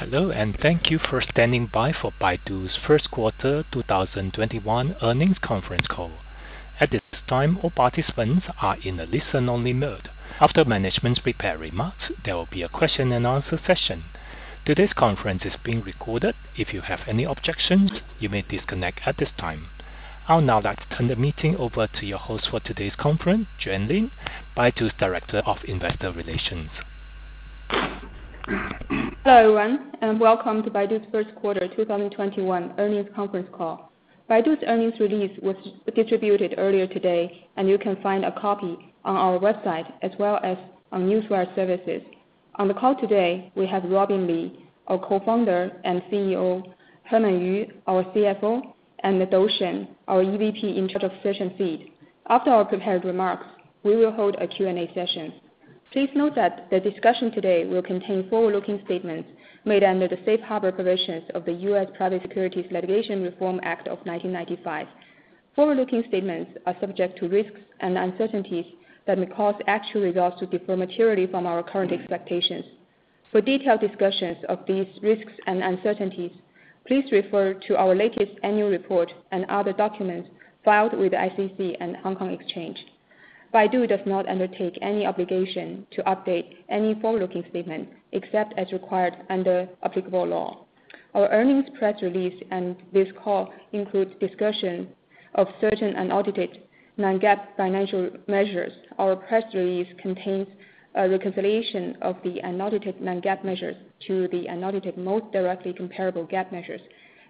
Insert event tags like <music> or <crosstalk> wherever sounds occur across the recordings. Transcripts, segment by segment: Hello, thank you for standing by for Baidu's First Quarter 2021 Earnings Conference Call. At this time, all participants are in a listen-only mode. After management's prepared remarks, there will be a question-and-answer session. Today's conference is being recorded. If you have any objections, you may disconnect at this time. I would now like to turn the meeting over to your host for today's conference, Juan Lin, Baidu's Director of Investor Relations. Hello, everyone, and welcome to Baidu's first quarter 2021 earnings conference call. Baidu's earnings release was distributed earlier today, and you can find a copy on our website as well as on newswire services. On the call today, we have Robin Li, our Co-Founder and CEO, Herman Yu, our CFO, and Dou Shen, our EVP in charge of Search and Feed. After our prepared remarks, we will hold a Q&A session. Please note that the discussion today will contain forward-looking statements made under the safe harbor provisions of the Private Securities Litigation Reform Act of 1995. Forward-looking statements are subject to risks and uncertainties that may cause actual results to differ materially from our current expectations. For detailed discussions of these risks and uncertainties, please refer to our latest annual report and other documents filed with the SEC and Hong Kong Exchange. Baidu does not undertake any obligation to update any forward-looking statement except as required under applicable law. Our earnings press release and this call includes discussion of certain unaudited non-GAAP financial measures. Our press release contains a reconciliation of the unaudited non-GAAP measures to the unaudited most directly comparable GAAP measures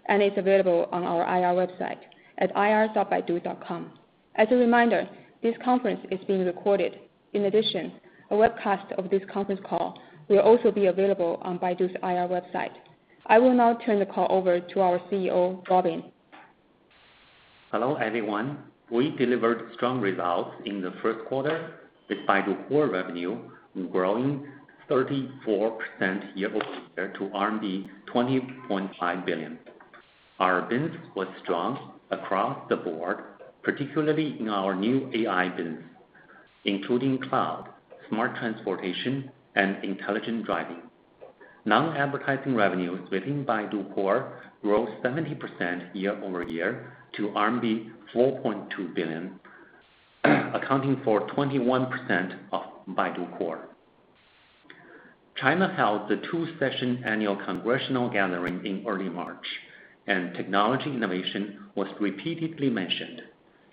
and is available on our IR website at ir.baidu.com. As a reminder, this conference is being recorded. In addition, a webcast of this conference call will also be available on Baidu's IR website. I will now turn the call over to our CEO, Robin. Hello, everyone. We delivered strong results in the first quarter, with Baidu Core revenue growing 34% year-over-year to RMB 20.5 billion. Our business was strong across the board, particularly in our new AI business, including cloud, smart transportation, and Intelligent Driving. Non-advertising revenues within Baidu Core rose 70% year-over-year to RMB 4.2 billion, accounting for 21% of Baidu Core. China held the two sessions Annual Congressional Gathering in early March, and technology innovation was repeatedly mentioned.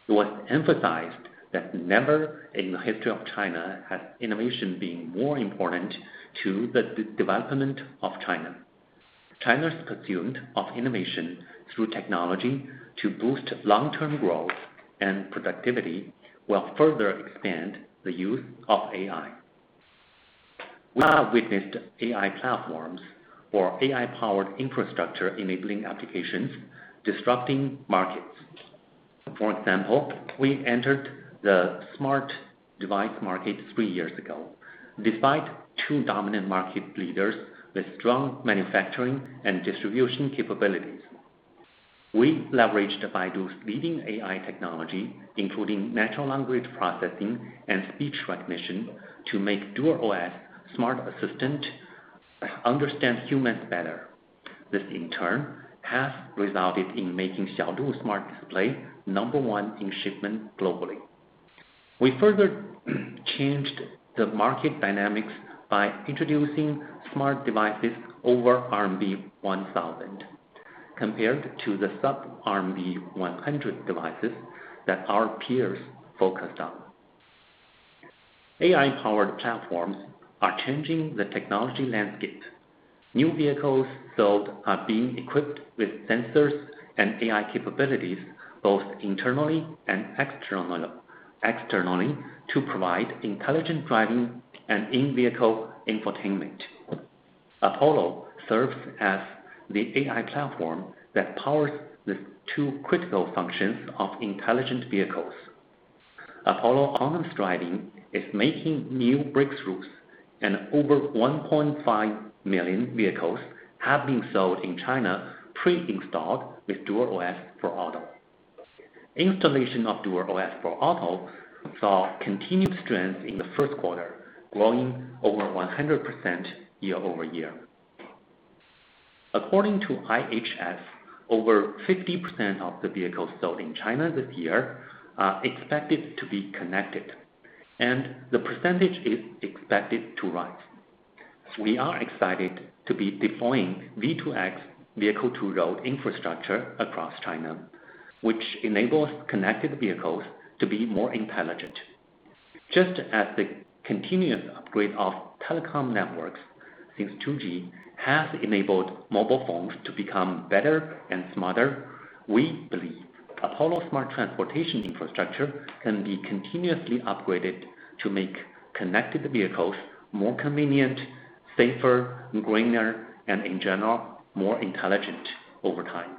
It was emphasized that never in the history of China has innovation been more important to the development of China. China's pursuit of innovation through technology to boost long-term growth and productivity will further expand the use of AI. We have witnessed AI platforms or AI-powered infrastructure enabling applications disrupting markets. For example, we entered the smart device market three years ago despite two dominant market leaders with strong manufacturing and distribution capabilities. We leveraged Baidu's leading AI technology, including natural language processing and speech recognition, to make DuerOS smart assistant understand humans better. This, in turn, has resulted in making Xiaodu smart displays number one in shipments globally. We further changed the market dynamics by introducing smart devices over RMB 1,000, compared to the sub-RMB 100 devices that our peers focused on. AI-powered platforms are changing the technology landscape. New vehicles sold are being equipped with sensors and AI capabilities both internally and externally to provide Intelligent Driving and in-vehicle infotainment. Apollo serves as the AI platform that powers the two critical functions of intelligent vehicles. Apollo on-device driving is making new breakthroughs and over 1.5 million vehicles have been sold in China pre-installed with DuerOS for Auto. Installation of DuerOS for Auto saw continued strength in the first quarter, growing over 100% year-over-year. According to IHS, over 50% of the vehicles sold in China this year are expected to be connected, and the percentage is expected to rise. We are excited to be deploying V2X vehicle to road infrastructure across China, which enables connected vehicles to be more intelligent. Just as the continuous upgrade of telecom networks since 2G has enabled mobile phones to become better and smarter, we believe Apollo smart transportation infrastructure can be continuously upgraded to make connected vehicles more convenient, safer, greener and in general, more intelligent over time.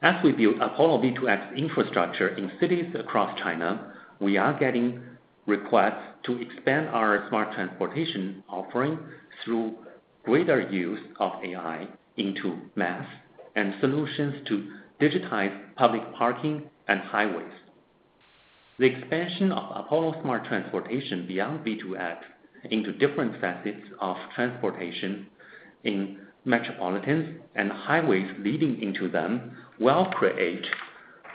As we build Apollo V2X infrastructure in cities across China, we are getting requests to expand our smart transportation offering through greater use of AI into Maps and solutions to digitize public parking and highways. The expansion of Apollo smart transportation beyond V2X into different facets of transportation in metropolitan and highways leading into them will create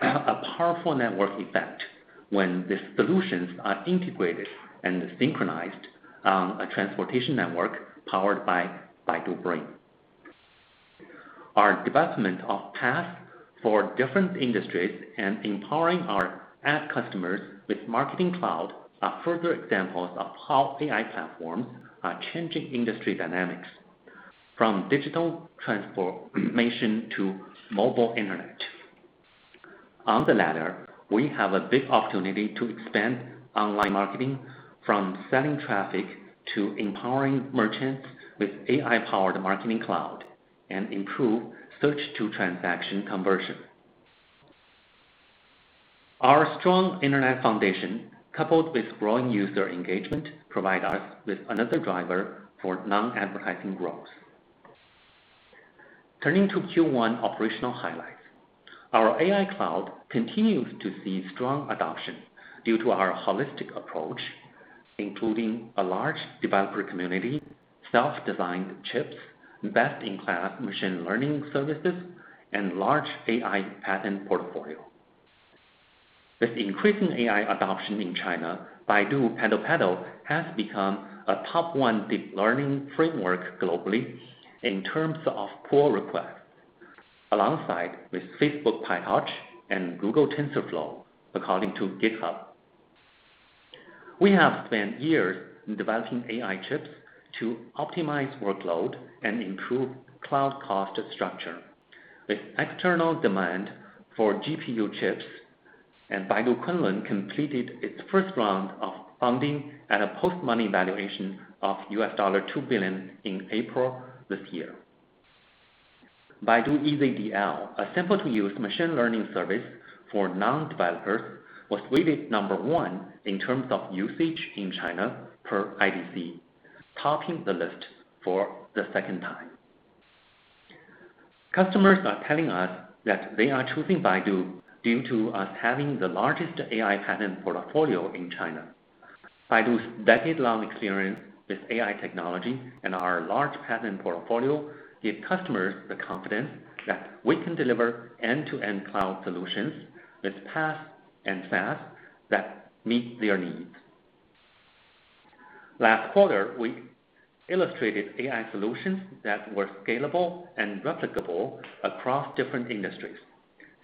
a powerful network effect when the solutions are integrated and synchronized on a transportation network powered by Baidu Brain. Our divestment of PaaS for different industries and empowering our ad customers with Marketing Cloud are further examples of how AI platforms are changing industry dynamics from digital transformation to mobile internet. On the latter, we have a big opportunity to expand online marketing from selling traffic to empowering merchants with AI-powered Marketing Cloud and improve search to transaction conversion. Our strong internet foundation, coupled with growing user engagement, provide us with another driver for non-advertising growth. Turning to Q1 operational highlights. Our AI Cloud continues to see strong adoption due to our holistic approach, including a large developer community, self-designed chips, best-in-class machine learning services, and large AI patent portfolio. With increasing AI adoption in China, Baidu PaddlePaddle has become a top one deep learning framework globally in terms of pull requests, alongside with PyTorch and TensorFlow, according to GitHub. We have spent years developing AI chips to optimize workload and improve cloud cost structure. With external demand for GPU chips and Baidu Kunlun completed its first round of funding at a post-money valuation of $2 billion in April this year. Baidu EasyDL, a simple-to-use machine learning service for non-developers, was rated number one in terms of usage in China per IDC, topping the list for the second time. Customers are telling us that they are choosing Baidu due to us having the largest AI patent portfolio in China. Baidu's decade-long experience with AI technology and our large patent portfolio give customers the confidence that we can deliver end-to-end cloud solutions with PaaS and SaaS that meet their needs. Last quarter, we illustrated AI solutions that were scalable and replicable across different industries,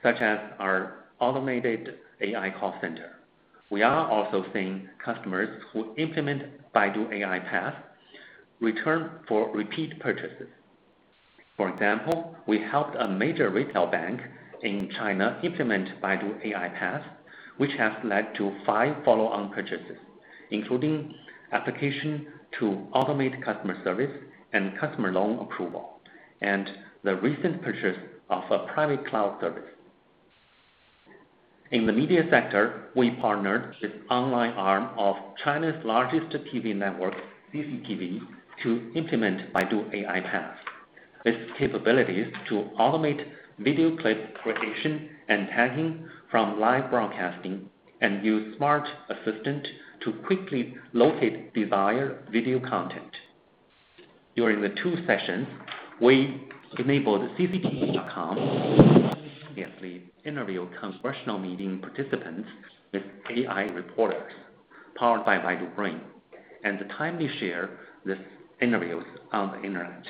such as our automated AI call center. We are also seeing customers who implement Baidu AI PaaS return for repeat purchases. For example, we helped a major retail bank in China implement Baidu AI PaaS, which has led to five follow-on purchases, including application to automate customer service and customer loan approval, and the recent purchase of a private cloud service. In the media sector, we partnered with online arm of China's largest TV network, CCTV, to implement Baidu AI PaaS. With capabilities to automate video clip creation and tagging from live broadcasting and use smart assistant to quickly locate desired video content. During the two sessions, we enabled CCTV.com to seamlessly link the interview congressional meeting participants with AI reporters powered by Baidu Brain and timely share these interviews on the internet.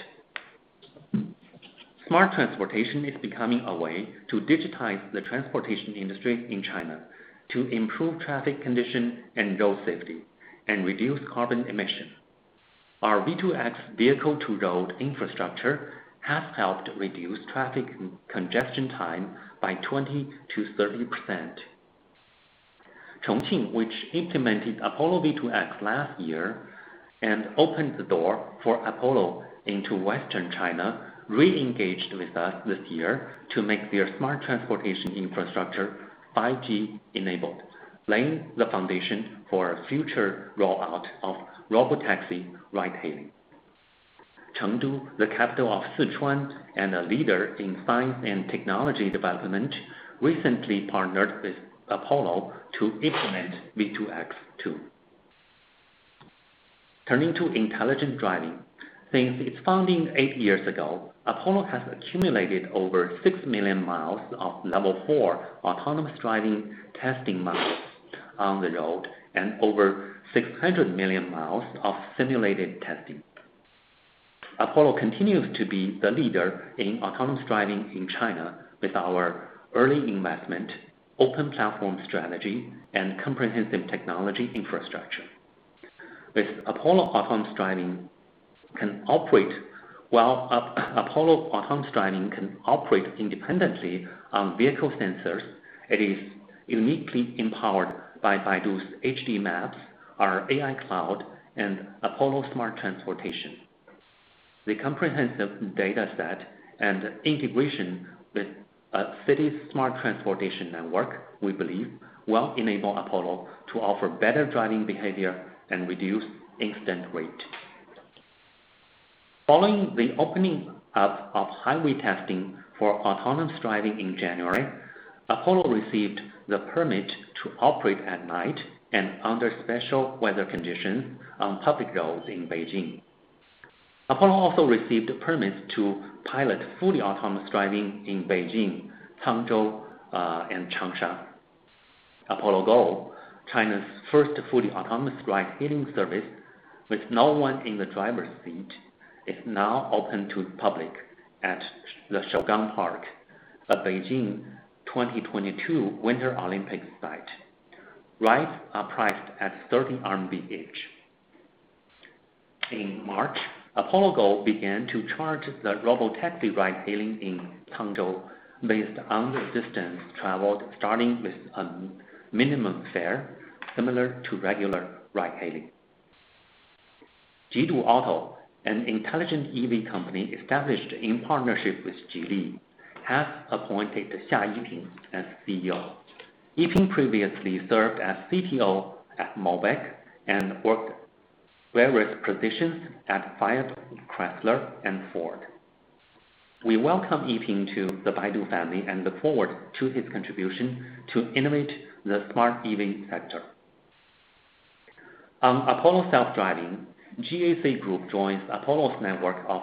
Smart transportation is becoming a way to digitize the transportation industry in China to improve traffic condition and road safety and reduce carbon emission. Our V2X vehicle-to-road infrastructure has helped reduce traffic congestion time by 20%-30%. Chongqing, which implemented Apollo V2X last year and opened the door for Apollo into Western China, re-engaged with us this year to make their smart transportation infrastructure 5G enabled, laying the foundation for a future rollout of robotaxi ride-hailing. Chengdu, the capital of Sichuan and a leader in science and technology development, recently partnered with Apollo to implement V2X, too. Turning to Intelligent Driving. Since its founding eight years ago, Apollo has accumulated over 6 million miles of Level 4 autonomous driving testing miles on the road and over 600 million miles of simulated testing. Apollo continues to be the leader in autonomous driving in China with our early investment, open platform strategy, and comprehensive technology infrastructure. With Apollo autonomous driving can operate independently on vehicle sensors, it is uniquely empowered by Baidu's HD Maps, our AI Cloud, and Apollo Smart Transportation. The comprehensive data set and integration with a city's smart transportation network, we believe, will enable Apollo to offer better driving behavior and reduce accident rate. Following the opening up of highway testing for autonomous driving in January, Apollo received the permit to operate at night and under special weather conditions on public roads in Beijing. Apollo also received permits to pilot fully autonomous driving in Beijing, Cangzhou, and Changsha. Apollo Go, China's first fully autonomous ride-hailing service with no one in the driver's seat, is now open to the public at the Shougang Park, the Beijing 2022 Winter Olympic site. Rides are priced at 30 RMB each. In March, Apollo Go began to charge the robotaxi ride-hailing in Hangzhou based on the distance traveled, starting with a minimum fare similar to regular ride-hailing. Jidu Auto, an intelligent EV company established in partnership with Geely, has appointed Xia Yiping as CEO. Yiping previously served as CTO at Mobike, and worked various positions at Fiat Chrysler, and Ford. We welcome Yiping to the Baidu family and look forward to his contribution to innovate the smart EV sector. On Apollo self-driving, GAC Group joins Apollo's network of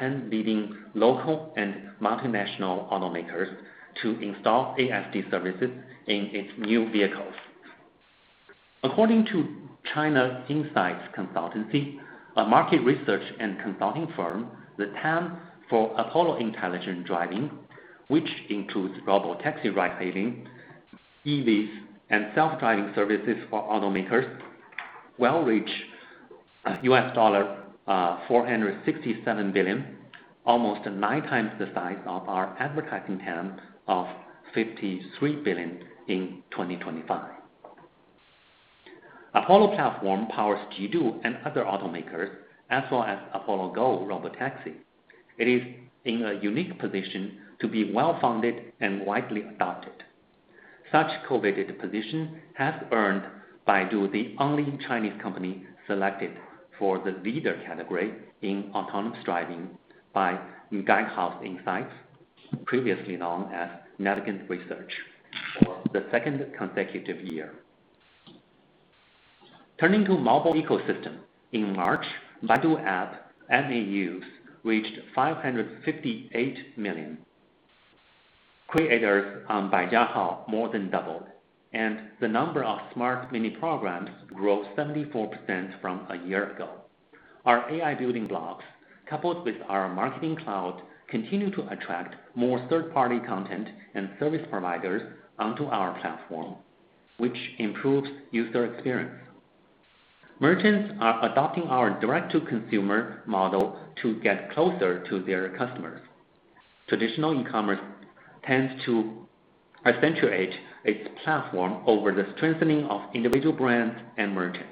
10 leading local and multinational automakers to install ASD services in its new vehicles. According to China Insights Consultancy, a market research and consulting firm, the TAM for Apollo Intelligent Driving, which includes robotaxi ride-hailing, EVs, and self-driving services for automakers, will reach $467 billion, almost nine times the size of our advertising TAM of $53 billion in 2025. Apollo platform powers Jidu and other automakers, as well as Apollo Go Robotaxi. It is in a unique position to be well-funded and widely adopted. Such coveted position has earned Baidu the only Chinese company selected for the leader category in autonomous driving by Guidehouse Insights, previously known as Navigant Research, for the second consecutive year. Turning to Mobile Ecosystem. In March, Baidu App MAUs reached 558 million. Creators on Baijiahao more than doubled, and the number of Smart Mini Program grew 74% from a year ago. Our AI building blocks, coupled with our Marketing Cloud, continue to attract more third-party content and service providers onto our platform, which improves user experience. Merchants are adopting our Direct-to-Consumer model to get closer to their customers. Traditional e-commerce tends to accentuate its platform over the strengthening of individual brands and merchants.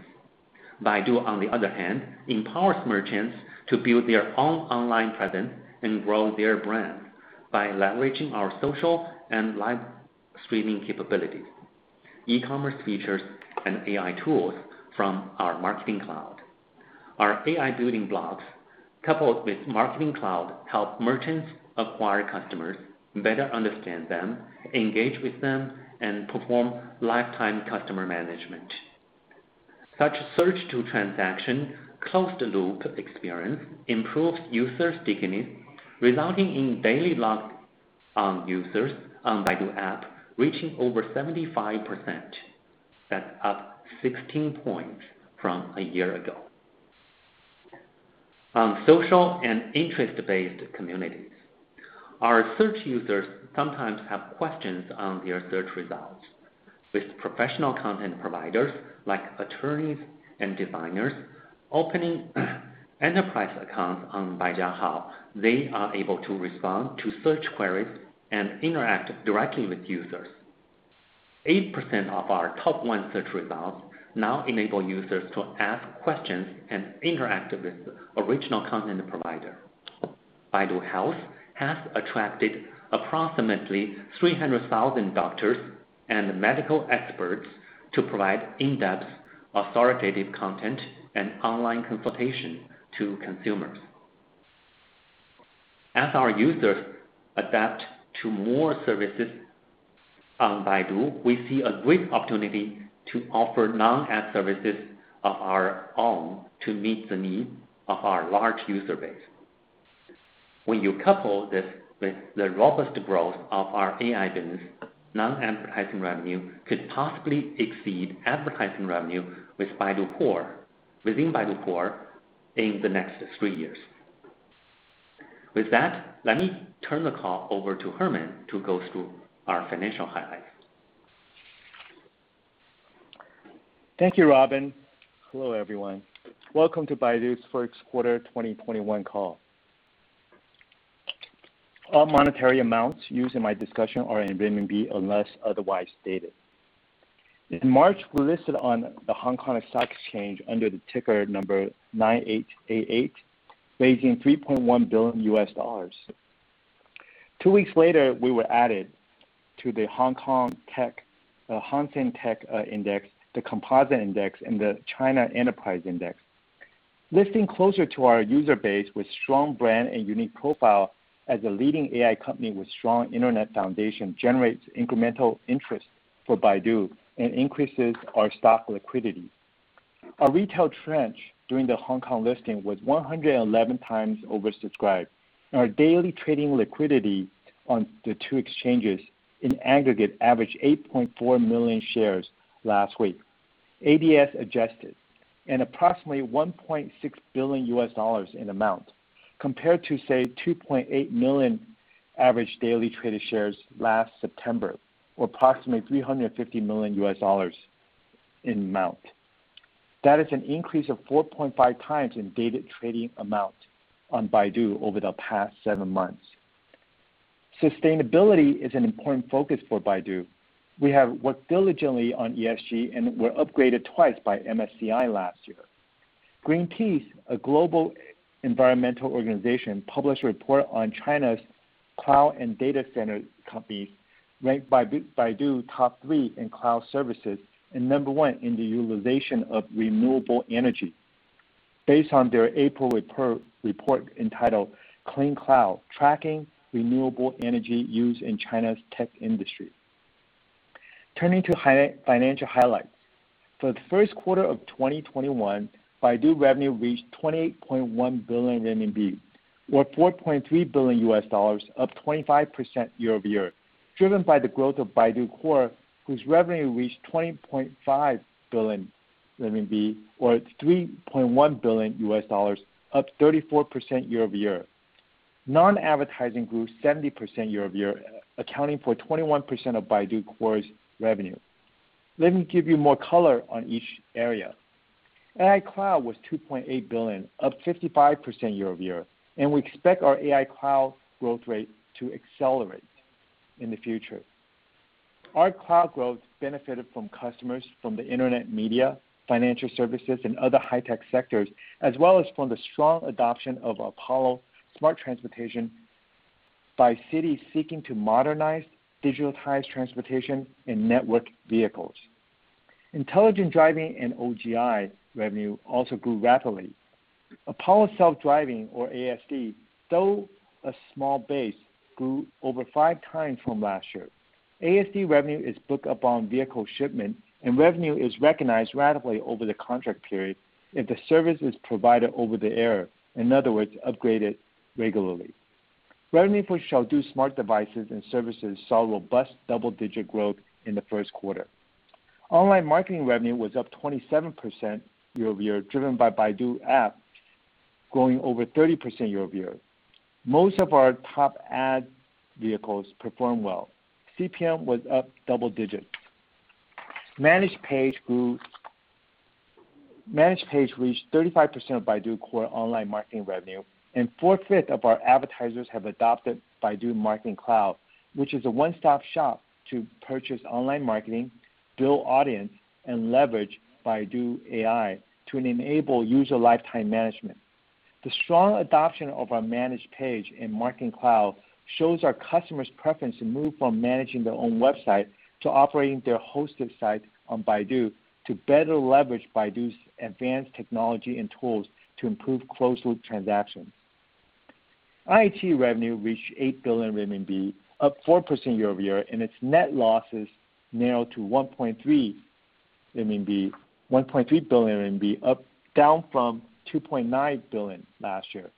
Baidu, on the other hand, empowers merchants to build their own online presence and grow their brand by leveraging our social and live streaming capabilities, e-commerce features, and AI tools from our Marketing Cloud. Our AI building blocks, coupled with Marketing Cloud, help merchants acquire customers, better understand them, engage with them, and perform lifetime customer management. Such search-to-transaction, closed-loop experience improves user stickiness, resulting in daily logged on users on Baidu App reaching over 75%, that is up 16 points from a year ago. On social and interest-based communities, our search users sometimes have questions on their search results. With professional content providers, like attorneys and designers, opening enterprise accounts on Baijiahao, they are able to respond to search queries and interact directly with users. 8% of our top one search results now enable users to ask questions and interact with the original content provider. Baidu Health has attracted approximately 300,000 doctors and medical experts to provide in-depth, authoritative content and online consultation to consumers. As our users adapt to more services on Baidu, we see a great opportunity to offer non-AI services of our own to meet the needs of our large user base. When you couple this with the robust growth of our AI business, non-advertising revenue could possibly exceed advertising revenue with Baidu Core, within Baidu Core in the next three years. With that, let me turn the call over to Herman to go through our financial highlights. Thank you, Robin. Hello, everyone. Welcome to Baidu's First Quarter 2021 call. All monetary amounts used in my discussion are in RMB unless otherwise stated. In March, we listed on the Hong Kong Stock Exchange under the ticker number 9888, raising $3.1 billion. Two weeks later, we were added to the Hong Kong Tech, the Hang Seng TECH Index, the Composite Index, and the China Enterprises Index. Listing closer to our user base with strong brand and unique profile as a leading AI company with strong internet foundation generates incremental interest for Baidu and increases our stock liquidity. Our retail tranche during the Hong Kong listing was 111x oversubscribed, and our daily trading liquidity on the two exchanges in aggregate averaged 8.4 million shares last week, ADS adjusted, and approximately $1.6 billion U.S. in amount compared to, say, 2.8 million average daily traded shares last September, or approximately $350 million U.S. in amount. That is an increase of 4.5x in daily trading amount on Baidu over the past seven months. Sustainability is an important focus for Baidu. We have worked diligently on ESG and were upgraded twice by MSCI last year. Greenpeace, a global environmental organization, published a report on China's cloud and data center companies, ranked Baidu top three in cloud services and number one in the utilization of renewable energy based on their April report entitled Clean Cloud: Tracking Renewable Energy Use in China's Tech Industry. Turning to financial highlights. For the first quarter of 2021, Baidu revenue reached 28.1 billion RMB, or $4.3 billion, up 25% year-over-year, driven by the growth of Baidu Core, whose revenue reached 20.5 billion, or $3.1 billion, up 34% year-over-year. Non-advertising grew 70% year-over-year, accounting for 21% of Baidu Core's revenue. Let me give you more color on each area. Baidu AI Cloud was 2.8 billion, up 55% year-over-year, and we expect our Baidu AI Cloud growth rate to accelerate in the future. Our cloud growth benefited from customers from the internet media, financial services, and other high-tech sectors, as well as from the strong adoption of Apollo smart transportation by cities seeking to modernize, digitalize transportation, and network vehicles. Intelligent Driving and OGI revenue also grew rapidly. Apollo self-driving or ASD, though a small base, grew over five times from last year. ADS revenue is booked upon vehicle shipment, and revenue is recognized ratably over the contract period if the service is provided over the air, in other words, upgraded regularly. Revenue for Xiaodu smart devices and services saw robust double-digit growth in the first quarter. Online marketing revenue was up 27% year-over-year, driven by Baidu App growing over 30% year-over-year. Most of our top ad vehicles performed well. CPM was up double digits. Managed Page reached 35% of Baidu Core online marketing revenue, and 4/5 of our advertisers have adopted Baidu Marketing Cloud, which is a one-stop shop to purchase online marketing, build audience, and leverage Baidu AI to enable user lifetime management. The strong adoption of our Managed Page and Marketing Cloud shows our customers' preference to move from managing their own website to operating their hosted site on Baidu to better leverage Baidu's advanced technology and tools to improve closed-loop transactions. iQIYI revenue reached 8 billion RMB, up 4% year-over-year, and its net losses narrowed to 1.3 billion RMB, down from 2.9 billion last year.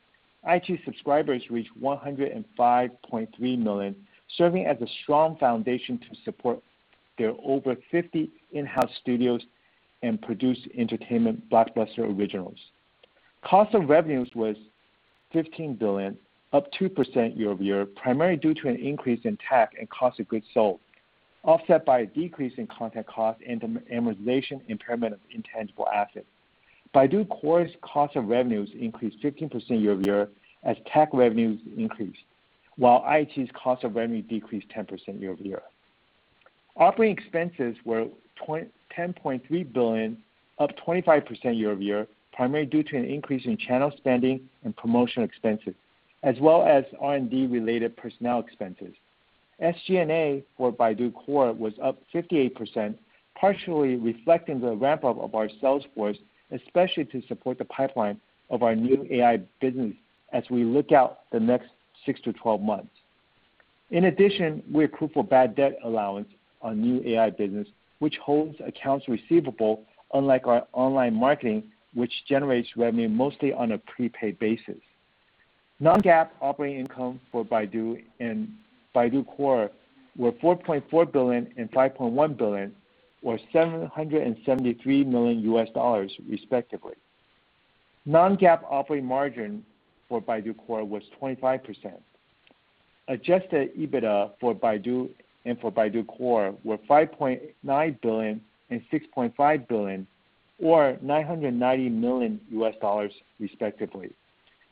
iQIYI subscribers reached 105.3 million, serving as a strong foundation to support their over 50 in-house studios and produced entertainment blockbuster originals. Cost of revenues was 15 billion, up 2% year-over-year, primarily due to an increase in tech and cost of goods sold, offset by a decrease in content cost and amortization, impairment of intangible assets. Baidu Core's cost of revenues increased 15% year-over-year as tech revenues increased, while iQIYI's cost of revenues decreased 10% year-over-year. Operating expenses were 10.3 billion, up 25% year-over-year, primarily due to an increase in channel spending and promotional expenses, as well as R&D-related personnel expenses. SG&A for Baidu Core was up 58%, partially reflecting the ramp-up of our sales force, especially to support the pipeline of our new AI business as we look out the next six to 12 months. In addition, we accrue for bad debt allowance on new AI business, which holds accounts receivable, unlike our online marketing, which generates revenue mostly on a prepaid basis. Non-GAAP operating income for Baidu and Baidu Core were 4.4 billion and 5.1 billion, or $773 million, respectively. Non-GAAP operating margin for Baidu Core was 25%. Adjusted EBITDA for Baidu and for Baidu Core were 5.9 billion and 6.5 billion, or $990 million, respectively.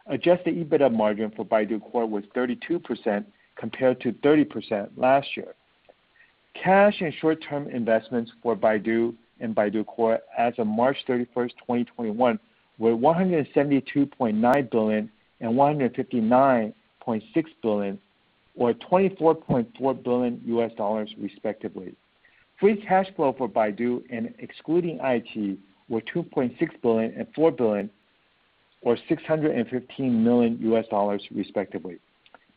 Adjusted EBITDA margin for Baidu Core was 32% compared to 30% last year. Cash and short-term investments for Baidu and Baidu Core as of March 31st, 2021 were 172.9 billion and 159.6 billion or $24.4 billion respectively. Free cash flow for Baidu and excluding iQIYI were 2.6 billion and 4 billion, or $615 million respectively.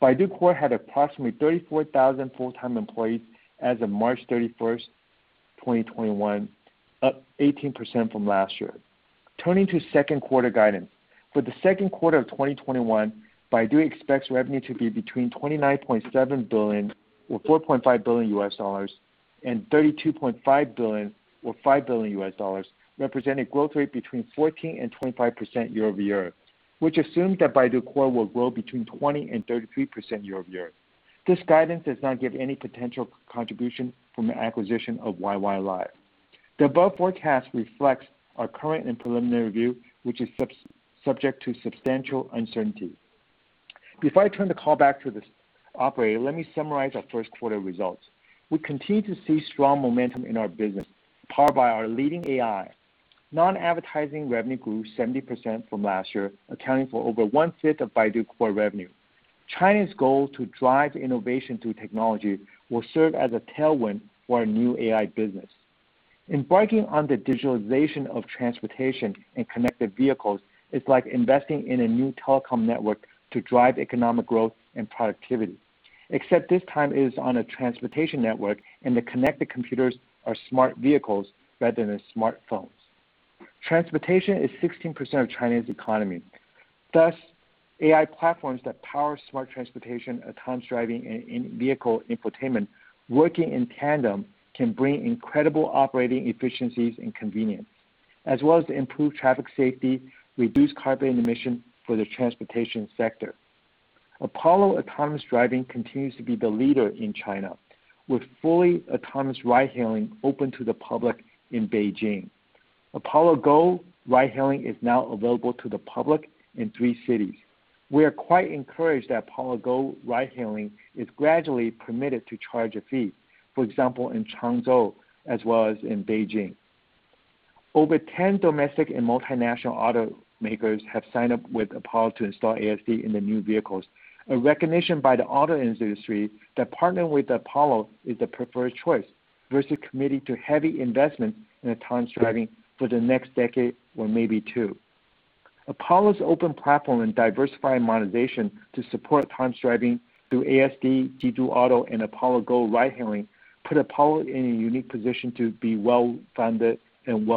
Baidu Core had approximately 34,000 full-time employees as of March 31st, 2021, up 18% from last year. Turning to second quarter guidance. For the second quarter of 2021, Baidu expects revenue to be between 29.7 billion or $4.5 billion, and 32.5 billion or $5 billion, representing growth rate between 14% and 25% year-over-year, which assumes that Baidu Core will grow between 20% and 33% year-over-year. This guidance does not give any potential contribution from the acquisition of YY Live. The above forecast reflects our current and preliminary view, which is subject to substantial uncertainty. Before I turn the call back to the Operator, let me summarize our first quarter results. We continue to see strong momentum in our business, powered by our leading AI. Non-advertising revenue grew 70% from last year, accounting for over 1/5 of Baidu Core revenue. China's goal to drive innovation through technology will serve as a tailwind for our new AI business. Embarking on the digitalization of transportation and connected vehicles is like investing in a new telecom network to drive economic growth and productivity, except this time it is on a transportation network and the connected computers are smart vehicles rather than smartphones. Transportation is 16% of China's economy. Thus, AI platforms that power smart transportation, autonomous driving, and in-vehicle infotainment working in tandem can bring incredible operating efficiencies and convenience as well as improve traffic safety, reduce carbon emission for the transportation sector. Apollo autonomous driving continues to be the leader in China, with fully autonomous ride hailing open to the public in Beijing. Apollo Go ride hailing is now available to the public in three cities. We are quite encouraged that Apollo Go ride hailing is gradually permitted to charge a fee, for example, in Cangzhou as well as in Beijing. Over 10 domestic and multinational automakers have signed up with Apollo to install ASD in their new vehicles. A recognition by the auto industry that partnering with Apollo is the preferred choice versus committing to heavy investment in autonomous driving for the next decade or maybe two. Apollo's open platform and diversifying monetization to support autonomous driving through ADS, Jidu Auto, and Apollo Go ride hailing, put Apollo in a unique position to be well-funded and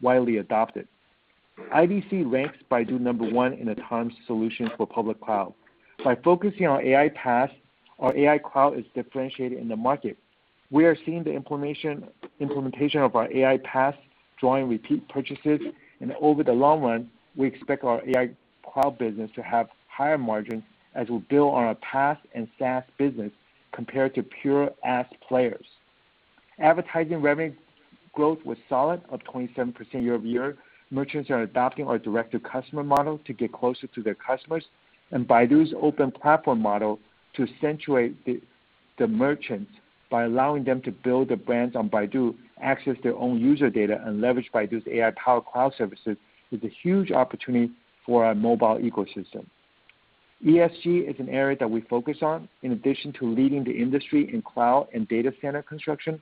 widely adopted. IDC ranks Baidu number one in autonomous solution for public cloud. By focusing on AI PaaS, our AI Cloud is differentiated in the market. We are seeing the implementation of our AI PaaS, drawing repeat purchases, and over the long run, we expect our AI Cloud business to have higher margin as we build on our PaaS and SaaS business compared to pure ads players. Advertising revenue growth was solid, up 27% year-over-year. Merchants are adopting our direct-to-customer model to get closer to their customers and Baidu's open platform model to accentuate the merchants by allowing them to build their brands on Baidu, access their own user data, and leverage Baidu's AI-powered cloud services is a huge opportunity for our Mobile Ecosystem. ESG is an area that we focus on. In addition to leading the industry in cloud and data center construction,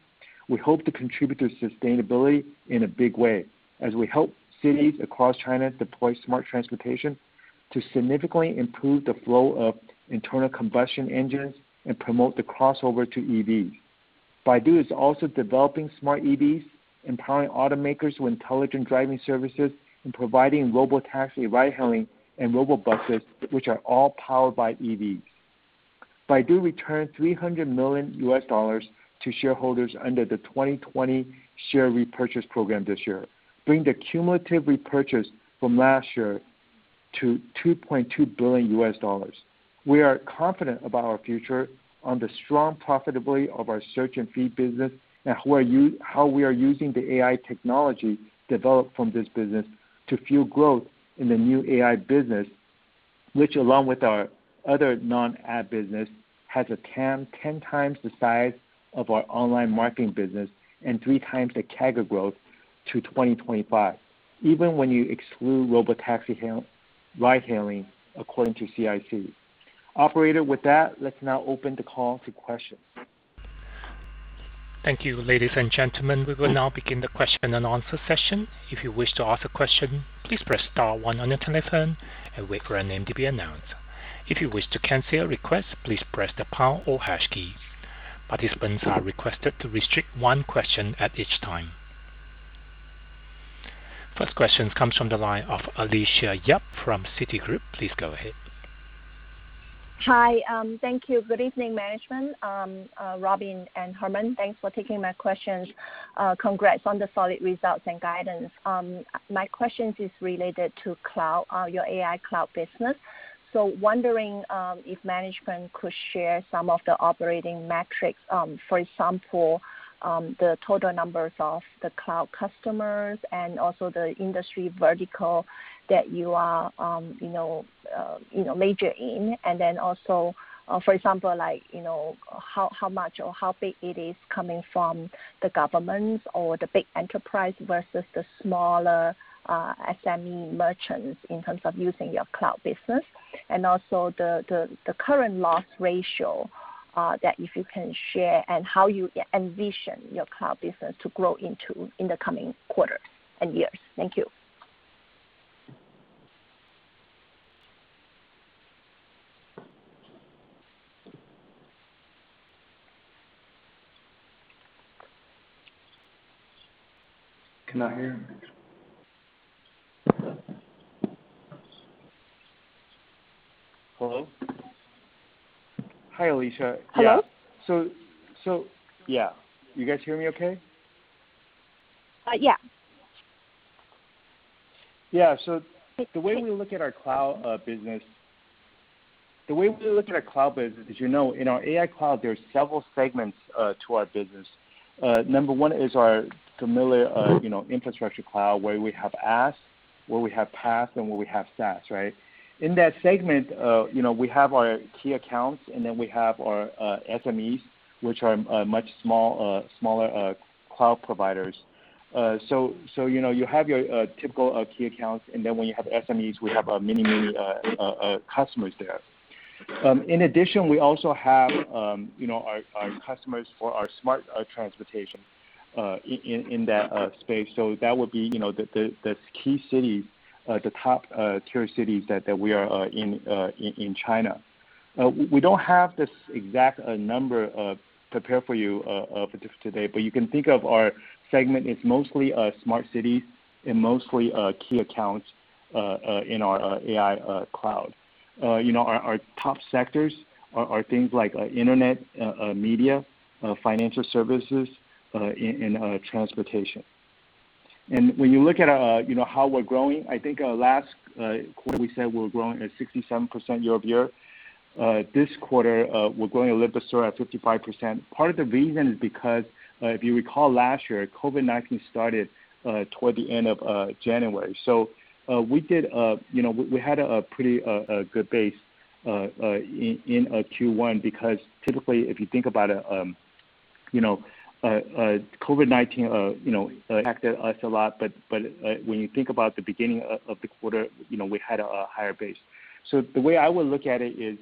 we hope to contribute to sustainability in a big way as we help cities across China deploy smart transportation to significantly improve the flow of internal combustion engines and promote the crossover to EVs. Baidu is also developing smart EVs, empowering automakers with Intelligent Driving services, and providing robotaxi ride-hailing and robobuses, which are all powered by EVs. Baidu returned $300 million to shareholders under the 2020 share repurchase program this year, bringing the cumulative repurchase from last year to $2.2 billion. We are confident about our future on the strong profitability of our search and feed business and how we are using the AI technology developed from this business to fuel growth in the new AI business, which along with our other non-ad business, has a TAM 10x the size of our online marketing business and 3x the CAGR growth to 2025. Even when you exclude robotaxi ride hailing according to CIC. Operator, with that, let's now open the call to questions. Thank you, ladies and gentlemen. We will now begin the question and answer session. If you wish to ask a question, please press star one on your telephone, and wait for your name to be announced. If you wish to cancel your request, please press the pound or hash key. Participants are requested restrict one question at this time. First question comes from the line of Alicia Yap from Citigroup. Please go ahead. Hi. Thank you. Good evening, management. Robin and Herman, thanks for taking my questions. Congrats on the solid results and guidance. My questions is related to cloud, your AI Cloud business. So, wondering if management could share some of the operating metrics. For example, the total numbers of the cloud customers and also the industry vertical that you are major in. Also, for example, how much or how big it is coming from the government or the big enterprise versus the smaller SME merchants in terms of using your cloud business. And also, the current loss ratio, that if you can share, and how you envision your cloud business to grow into in the coming quarters and years. Thank you. Cannot hear. Hello? Hi, Alicia. Yeah. Yeah. You guys hear me okay? Yeah. Yeah. The way we look at our cloud business.. The way we look at our cloud businesss, 'cause you know, in our AI Cloud, there's several segments to our business. Number one is our familiar, you know, infrastructure cloud, where we have IaaS, where we have PaaS, and where we have SaaS, right? In that segment we have our key accounts, we have our SMEs, which are much smaller cloud providers. So, you know, you have your typical key accounts, when you have SMEs, we have many customers there. In addition, we also have our customers for our smart transportation in that space. So, that would be the key cities, the top-tier cities that we are in China. We don't have this exact number prepared for you today. You can think of our segment, it's mostly smart cities and mostly key accounts in our AI Cloud. You know, our top sectors are things like internet, media, financial services, and transportation. And when you look at how we're growing, I think our last, we said we're growing at 67% year-over-year. This quarter, we're growing a little slower at 55%. Part of the reason is because, if you recall last year, COVID-19 started toward the end of January. We did, we had a pretty good base in Q1 because typically, if you think about it, COVID-19 affected us a lot. When you think about the beginning of the quarter, we had a higher base. The way I would look at it is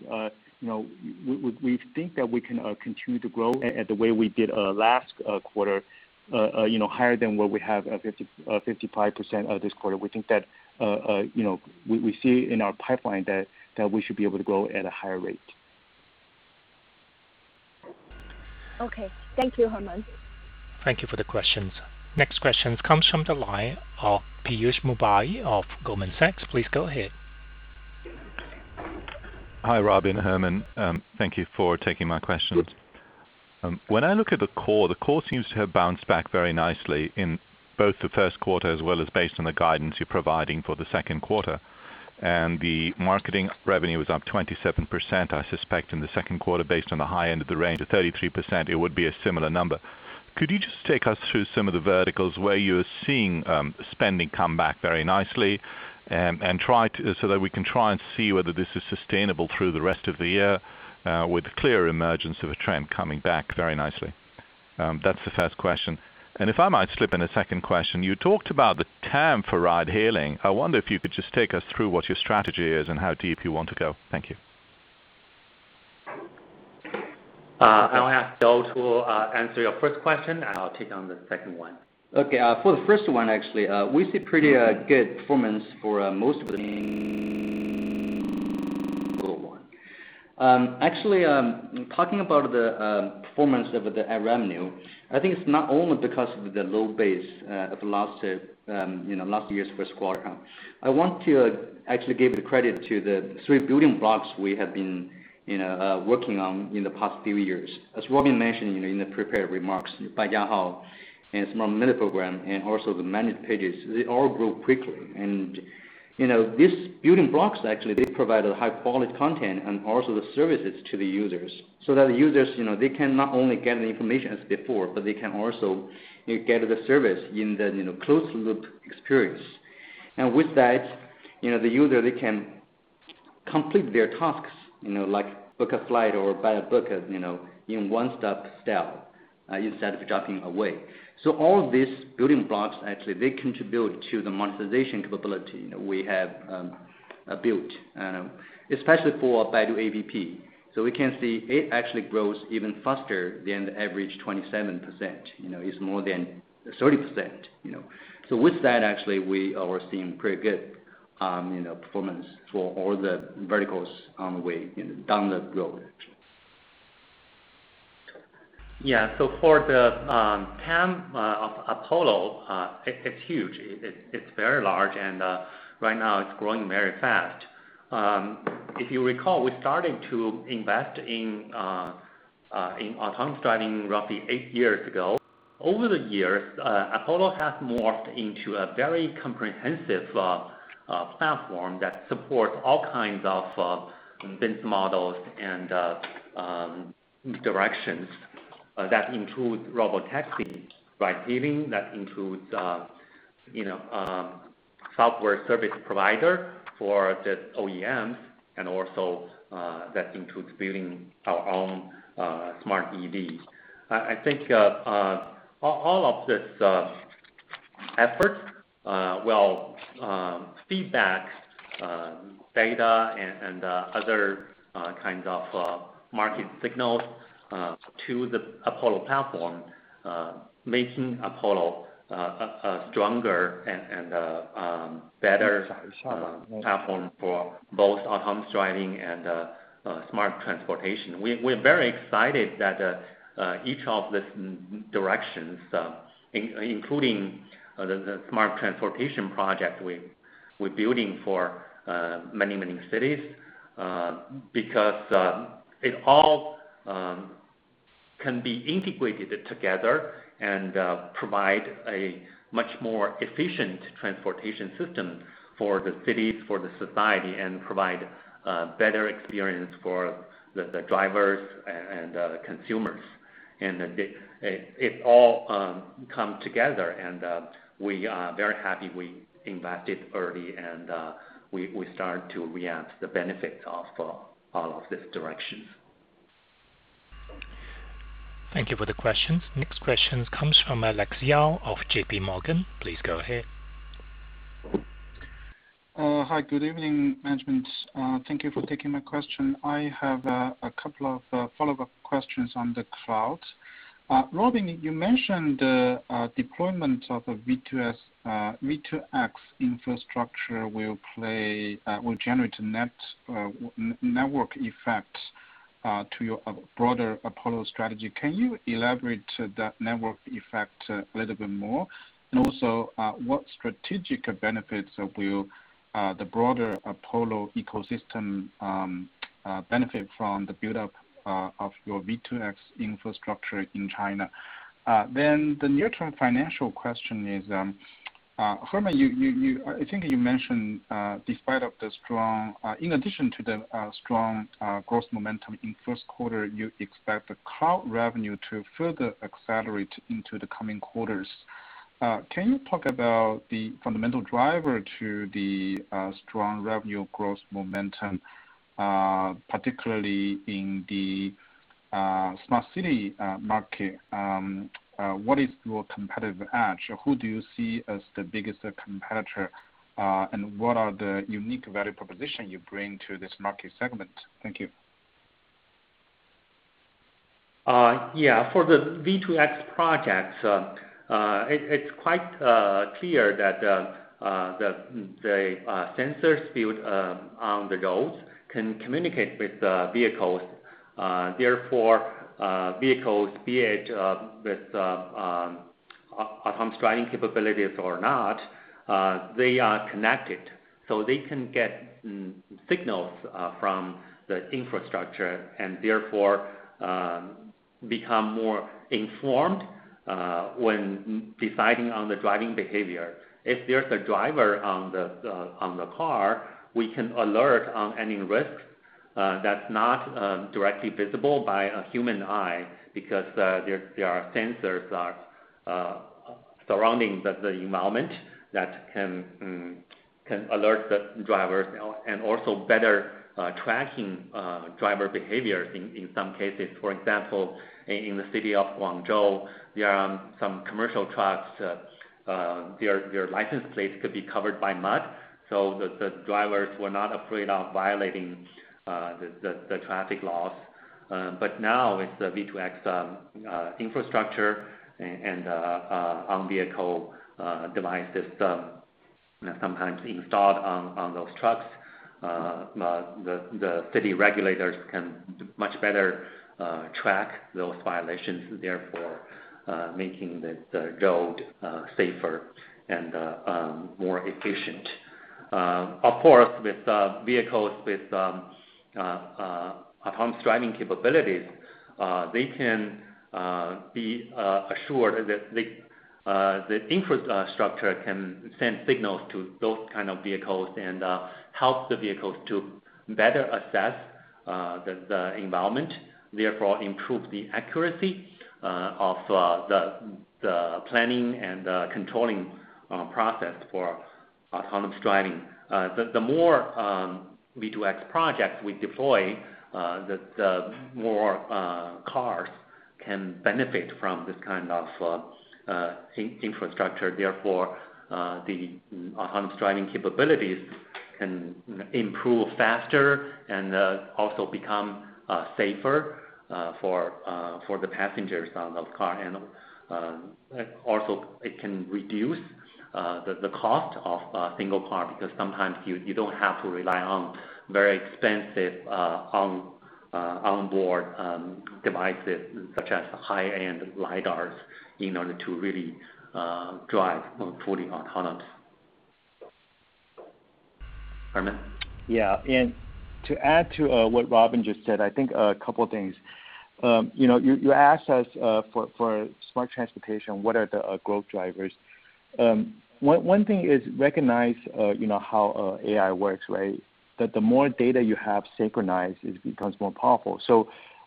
we think that we can continue to grow the way we did last quarter, you know, higher than what we have, 55% this quarter. We think that, you know, we see it in our pipeline that we should be able to grow at a higher rate. Okay. Thank you, Herman. Thank you for the questions. Next question comes from the line of Piyush Mubayi of Goldman Sachs. Please go ahead. Hi, Robin, Herman. Thank you for taking my questions. When I look at the Core, the Core seems to have bounced back very nicely in both the first quarter as well as based on the guidance you're providing for the second quarter. And the marketing revenue was up 27%, I suspect in the second quarter, based on the high end of the range of 33%, it would be a similar number. Could you just take us through some of the verticals where you're seeing spending come back very nicely, and try, so that we can try and see whether this is sustainable through the rest of the year, with clear emergence of a trend coming back very nicely? That's the first question. If I might slip in a second question, you talked about the TAM for ride hailing. I wonder if you could just take us through what your strategy is and how deep you want to go. Thank you. I'll have Dou Shen to answer your first question, and I'll take on the second one. Okay. For the first one, actually, we see pretty good performance for most <inaudible> of the one. Actually, I'm talking about the performance of the ad revenue, I think it's not only because of the low base of last year, you know, last year's first quarter. I want to actually give the credit to the three building blocks we have been working on in the past few years. As Robin mentioned in the prepared remarks, Baijiahao, and its Smart Mini Program, and also the Managed Page, they all grow quickly. These building blocks actually did provide a high-quality content and also the services to the users, so that the users, they can not only get the information as before, but they can also get the service in the closed-loop experience. With that, the user, they can complete their tasks, you know, like book a flight or buy a book of, you know, in one-stop, <inaudible> instead of jumping away. So, all these building blocks, actually, they contribute to the monetization capability that we have built, especially for Baidu App. We can see it actually grows even faster than the average 27%. It's more than 30%. With that, actually, we are seeing pretty good performance for all the verticals we've done the build. Yeah. For the TAM of Apollo, it's huge. It's very large, and right now it's growing very fast. If you recall, we started to invest in autonomous driving roughly eight years ago. Over the years, Apollo has morphed into a very comprehensive platform that supports all kinds of business models and directions. That includes robotaxi, ride-hailing, that includes software service provider for the OEMs, and also that includes building our own smart EV. I think all of this effort will feed back data and other kind of market signals to the Apollo platform, making Apollo a stronger and better platform for both autonomous driving and smart transportation. We're very excited that each of these directions, including the smart transportation project we're building for many cities, because it all can be integrated together and provide a much more efficient transportation system for the cities, for the society, and provide a better experience for the drivers and the consumers. It all come together, and we are very happy we invested early, and we start to reap the benefit of all of these directions. Thank you for the question. Next question comes from Alex Yao of JPMorgan. Please go ahead. Hi, good evening, management. Thank you for taking my question. I have a couple of follow-up questions on the cloud. Robin, you mentioned the deployment of a V2X infrastructure will play, will generate a network effect to your broader Apollo strategy. Can you elaborate that network effect a little bit more? Also, what strategic benefits will the broader Apollo ecosystem benefit from the buildup of your V2X infrastructure in China? The near-term financial question is, Herman, I think you mentioned in addition to the strong gross momentum in first quarter, you expect the cloud revenue to further accelerate into the coming quarters. Can you talk about the fundamental driver to the strong revenue growth momentum, particularly in the smart city market? What is your competitive edge? Who do you see as the biggest competitor? What are the unique value proposition you bring to this market segment? Thank you. Yeah, for the V2X projects, it is quite clear that the sensors built on the roads can communicate with the vehicles. Therefore, vehicles, be it with autonomous driving capabilities or not, they are connected, so they can get signals from the infrastructure and therefore become more informed when deciding on the driving behavior. If there is a driver on the car, we can alert on any risk that is not directly visible by a human eye because there are sensors surrounding the environment that can alert the drivers, and also better tracking driver behavior in some cases. For example, in the city of Guangzhou, some commercial trucks, their license plates could be covered by mud, so the drivers were not afraid of violating the traffic laws. Now with the V2X infrastructure and on-vehicle device system sometimes installed on those trucks, the city regulators can much better track those violations, therefore making the road safer and more efficient. Of course, with vehicles with autonomous driving capabilities, they can be assured that the infrastructure can send signals to those kind of vehicles and help the vehicles to better assess the environment, therefore improve the accuracy of the planning and the controlling process for autonomous driving. The more V2X projects we deploy, the more cars can benefit from this kind of infrastructure. Therefore, the autonomous driving capabilities can improve faster, and also become safer for the passengers on the car, you know. Also it can reduce the cost of a single car because sometimes you don't have to rely on very expensive on-board devices such as high-end lidars in order to really drive fully autonomous. Herman? To add to what Robin just said, I think a couple things. You asked us for smart transportation, what are the growth drivers? One thing is recognize how AI works, right? That the more data you have synchronized, it becomes more powerful.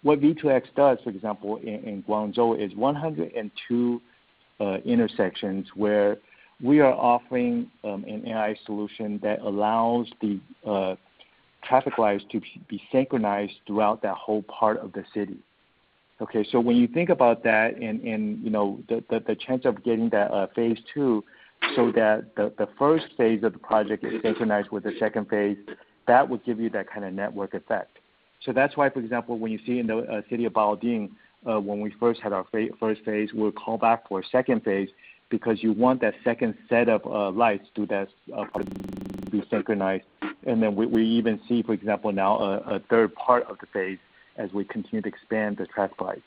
What V2X does, for example, in Cangzhou, is 102 intersections where we are offering an AI solution that allows the traffic lights to be synchronized throughout that whole part of the city. Okay, so when you think about that and the chance of getting that phase II, so that the first phase of the project is synchronized with the second phase, that would give you that kind of network effect. That's why, for example, when you see in the city of Baoding, when we first had our first phase, we were called back for a second phase because you want that second set of lights to synchronize. And then we even see, for example, now a third part of the phase as we continue to expand the traffic lights.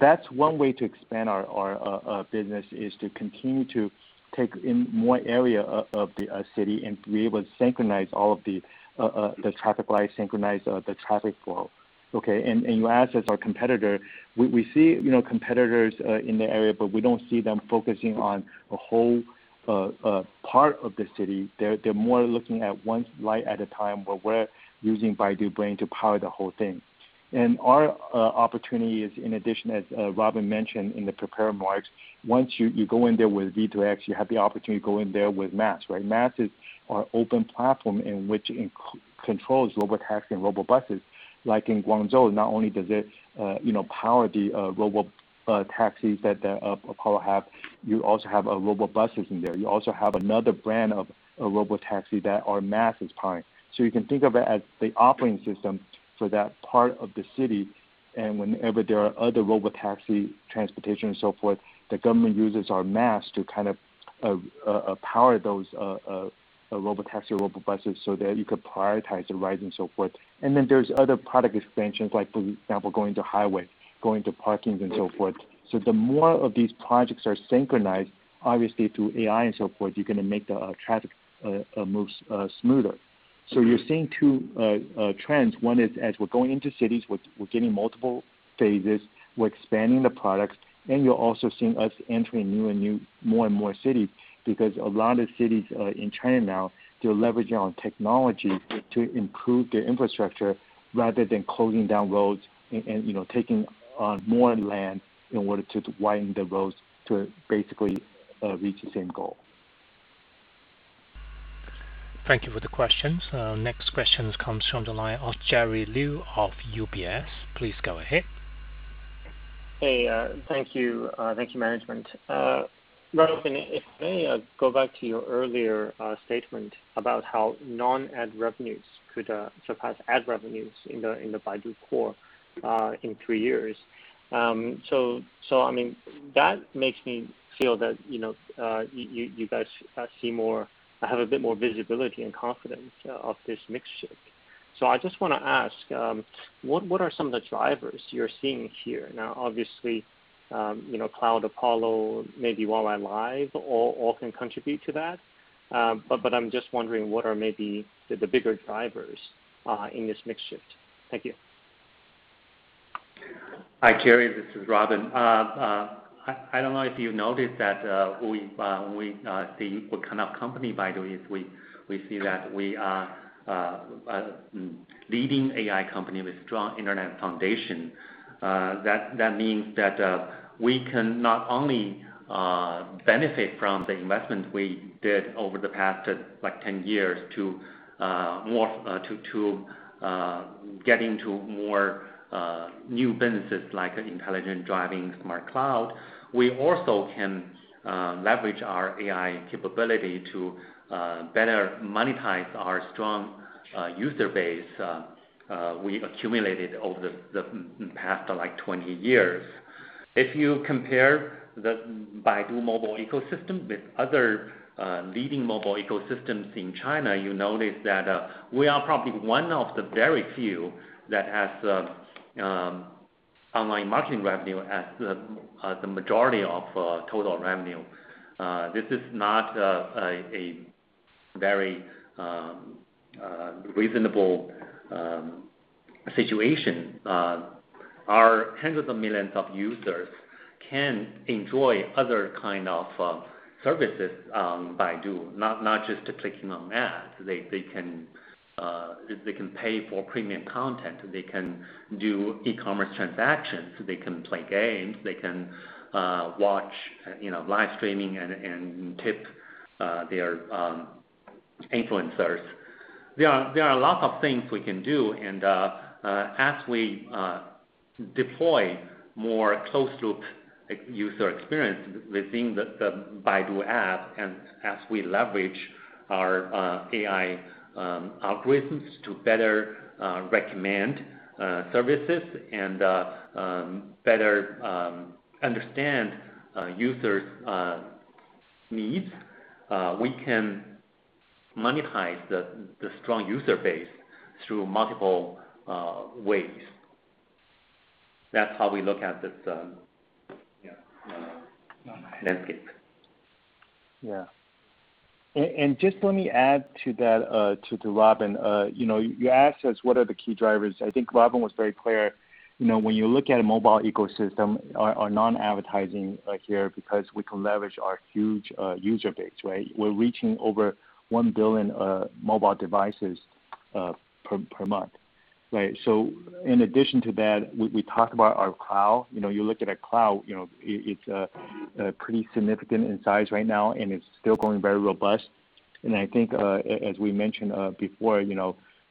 That's one way to expand our business, is to continue to take in more area of the city and to be able to synchronize all of the traffic lights, synchronize the traffic flow. Okay. And last, it's our competitor, we see competitors in the area, but we don't see them focusing on a whole part of the city. They're more looking at one light at a time, but we're using Baidu Brain to power the whole thing. Our opportunity is, in addition, as Robin mentioned, in the prepared remarks, once you go in there with V2X, you have the opportunity to go in there with Maps, right? Maps is our open platform in which it controls robotaxis and robobuses. Like in Cangzhou, not only does it power the robotaxis that Apollo has, you also have robobuses in there. You also have another brand of robotaxi that our Maps is powering. So you can think of it as the operating system for that part of the city. And whenever there are other robotaxi transportation and so forth, the government uses our Maps to kind of power those robotaxi, robobuses so that you could prioritize the rides and so forth. Then there's other product expansions like, for example, going to highway, going to parking and so forth. The more of these projects are synchronized, obviously through AI and so forth, you're going to make the traffic moves smoother. You're seeing two trends. One is, as we're going into cities, we're getting multiple phases. We're expanding the products. You're also seeing us entering more and more city, because a lot of cities in China now, they're leveraging on technology to improve their infrastructure rather than closing down roads and taking more land in order to widen the roads to basically reach the same goal. Thank you for the question. Next question comes from the line of Jerry Liu of UBS. Please go ahead. Hey, thank you. Thank you, management. Robin, if I may go back to your earlier statement about how non-ad revenues could surpass ad revenues in the Baidu Core in three years. So, so, i mean, that makes me feel that you guys have a bit more visibility and confidence of this mix shift. I just want to ask, what are some of the drivers you're seeing here? Now, obviously, Cloud Apollo, maybe YY Live, all can contribute to that. I'm just wondering what are maybe the bigger drivers in this mix shift? Thank you. Hi, Jerry, this is Robin. I don't know if you noticed that the kind of company Baidu is. We see that we are a leading AI company with a strong internet foundation. We can not only benefit from the investments we did over the past 10 years to get into more new businesses like Intelligent Driving, smart cloud. We also can leverage our AI capability to better monetize our strong user base we accumulated over the past 20 years. If you compare the Baidu Mobile Ecosystem with other leading Mobile Ecosystems in China, you notice that we are probably one of the very few that has online marketing revenue as the majority of total revenue. This is not a very reasonable situation. Our hundreds of millions of users can enjoy other kind of services, Baidu, not just clicking on Maps. They can pay for premium content. They can do e-commerce transactions. They can play games. They can watch live streaming and tip their influencers. There are lots of things we can do, and as we deploy more closed-loop user experience within the Baidu App, and as we leverage our AI algorithms to better recommend services and better understand users' needs, we can monetize the strong user base through multiple ways. That's how we look at this. Perfect. Just let me add to that, to Robin. You asked us what are the key drivers. I think Robin was very clear. When you look at a Mobile Ecosystem, our non-advertising like here, because we can leverage our huge user base, right? We're reaching over 1 billion mobile devices per month. Right? In addition to that, we talk about our cloud. You look at a cloud, it's pretty significant in size right now, and it's still growing very robust. I think, as we mentioned before,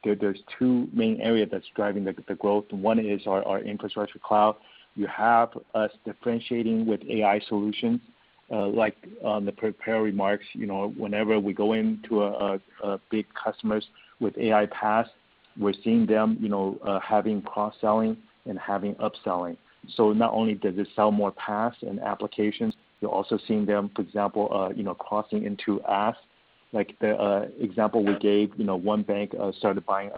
there's two main areas that's driving the growth. One is our infrastructure cloud. You have us differentiating with AI solutions, like on the prepared remarks, whenever we go into big customers with AI PaaS, we're seeing them having cross-selling and having upselling. Not only does it sell more PaaS and applications, you're also seeing them, for example, crossing into IaaS. Like the example we gave, one bank started buying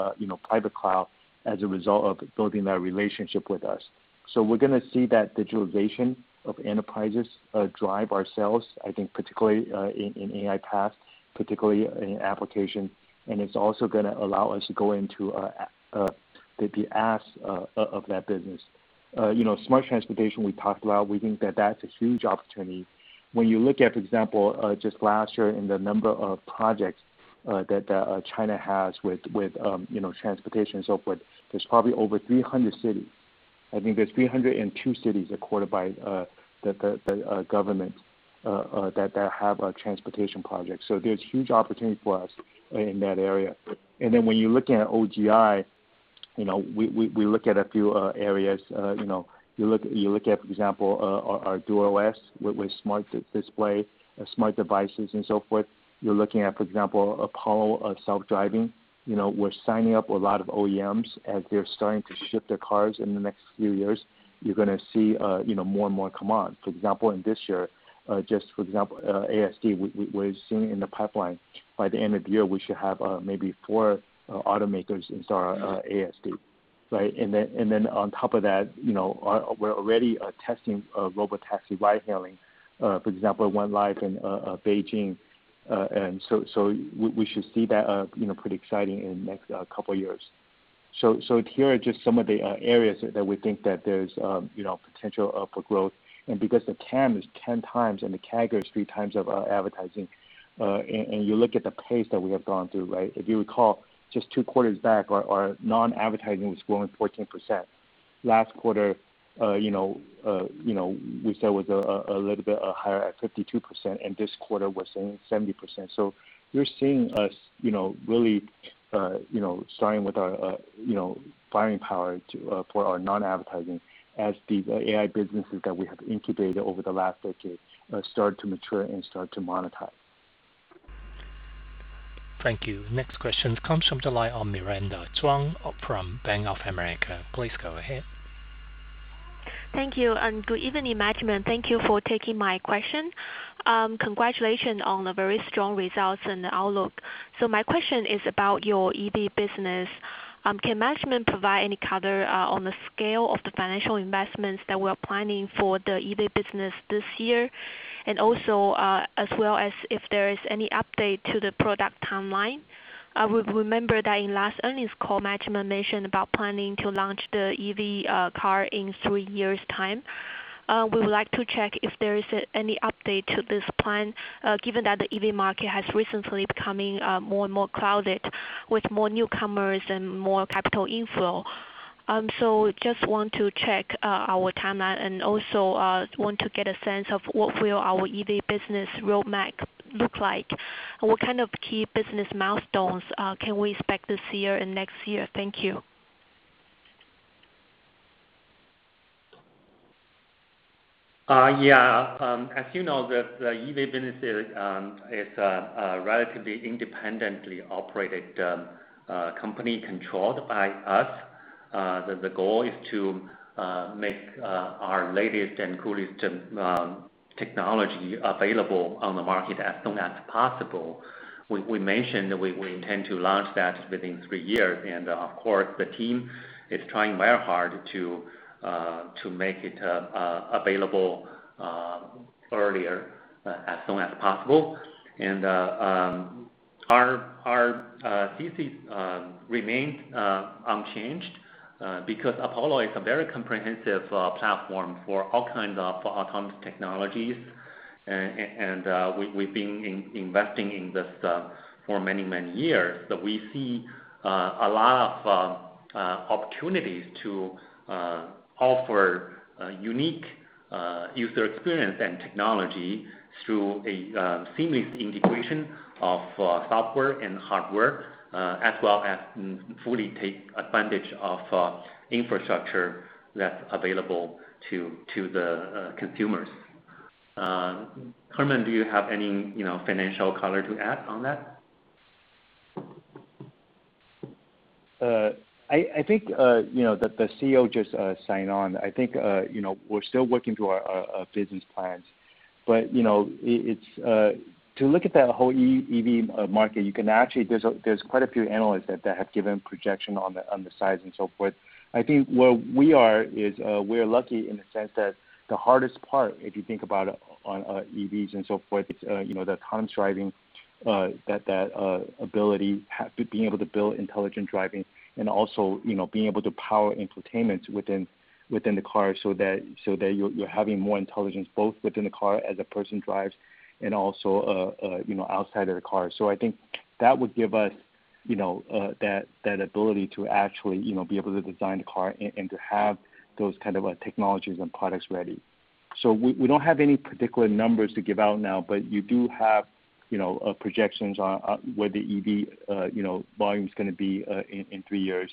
private cloud as a result of building that relationship with us. We're going to see that digitalization of enterprises drive our sales, I think particularly in AI PaaS, particularly in application, and it's also going to allow us to go into the IaaS of that business. Smart transportation we talked about, we think that that's a huge opportunity. When you look at, for example, just last year and the number of projects that China has with transportation and so forth, there's probably over 300 cities. I think there's 302 cities accorded by the government that have transportation projects. There's huge opportunity for us in that area. When you're looking at OGI, we look at a few areas. You look at, for example, our DuerOS with smart display, smart devices, and so forth. You're looking at, for example, Apollo self-driving. We're signing up a lot of OEMs as they're starting to ship their cars in the next few years. You're going to see more and more, come on. For example, in this year, just for example, ASD, we're seeing in the pipeline. By the end of the year, we should have maybe four automakers in our ASD. Right? On top of that, we're already testing robotaxi ride-hailing. It went live in Beijing. And so, we should see that, pretty exciting in the next couple of years. So, here are just some of the areas that we think that there's potential for growth. Because the TAM is 10x and the TAM is 3x of our advertising, and you look at the pace that we have gone through, right? If you recall, just two quarters back, our non-advertising was growing 14%. Last quarter, you know, we said it was a little bit higher at 52%, and this quarter we're saying 70%. You're seeing us really starting with our buying power for our non-advertising as the AI businesses that we have incubated over the last decade start to mature and start to monetize. Thank you. Next question comes from the line of Miranda Zhuang from Bank of America. Please go ahead. Thank you, and good evening, management. Thank you for taking my question. Congratulations on the very strong results and outlook. My question is about your EV business. Can management provide any color on the scale of the financial investments that we're planning for the EV business this year, and also, as well as if there is any update to the product timeline? I would remember that in last earnings call, management mentioned about planning to launch the EV car in three years' time. I would like to check if there is any update to this plan, given that the EV market has recently becoming more and more crowded with more newcomers and more capital inflow. And so, just want to check our timeline and also want to get a sense of what will our EV business roadmap look like, and what kind of key business milestones can we expect this year and next year. Thank you. Yeah. As you know, that the EV business is a relatively independently operated company controlled by us. The goal is to make our latest and greatest technology available on the market as soon as possible. We mentioned we intend to launch that within three years, of course, the team is trying very hard to make it available earlier, as soon as possible. Our thesis remains unchanged, because Apollo is a very comprehensive platform for all kinds of autonomous technologies, and we've been investing in this for many, many years. We see a lot of opportunities to offer a unique user experience and technology through a seamless integration of software and hardware, as well as fully take advantage of infrastructure that's available to the consumers. Herman, do you have any financial color to add on that? I think, you know, the CEO just signed on. I think, you know, we're still working through our business plans. But, you know, it's.. To look at that whole EV market, there's quite a few analysts that have given projection on the size and so forth. I think where we are is, we are lucky in the sense that the hardest part, if you think about it on EVs and so forth, is the autonomous driving, that ability, being able to build Intelligent Driving and also being able to power infotainment within the car so that you're having more intelligence both within the car as a person drives and also outside of the car. I think that would give us that ability to actually be able to design a car and to have those kind of technologies and products ready. We don't have any particular numbers to give out now, but you do have projections on where the EV volume's going to be in three years.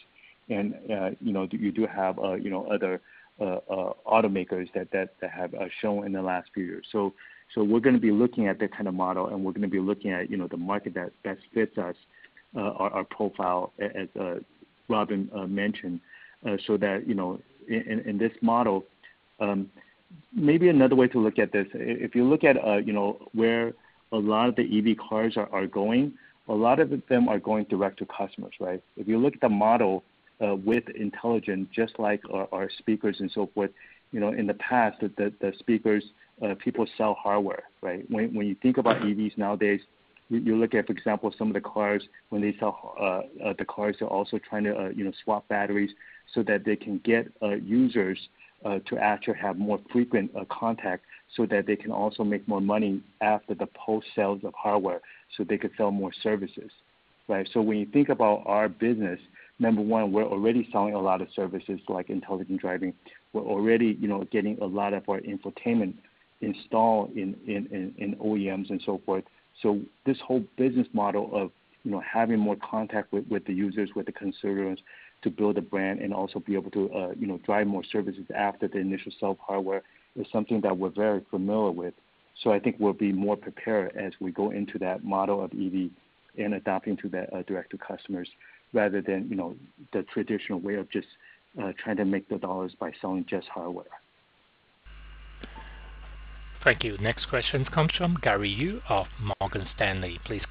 You do have other automakers that have shown in the last few years. We're going to be looking at that kind of model, and we're going to be looking at the market that fits us, our profile, as Robin mentioned, and so that, you know, in this model. Maybe another way to look at this, if you look at where a lot of the EV cars are going, a lot of them are going direct to customers, right? If you look at the model with intelligent, just like our speakers and so forth, in the past, the speakers, people sell hardware, right? When you think about EVs nowadays, you look at, for example, some of the cars, when they sell the cars, they're also trying to swap batteries so that they can get users to actually have more frequent contact so that they can also make more money after the post-sales of hardware so they could sell more services. Right? When you think about our business, number one, we're already selling a lot of services like Intelligent Driving. We're already getting a lot of our infotainment installed in OEMs and so forth. This whole business model of having more contact with the users, with the consumers to build a brand and also be able to drive more services after the initial sale of hardware is something that we're very familiar with. So, I think we'll be more prepared as we go into that model of EV and adapting to the direct to customers rather than the traditional way of just trying to make the dollars by selling just hardware. Thank you. Next question comes from Gary Yu of Morgan Stanley. Please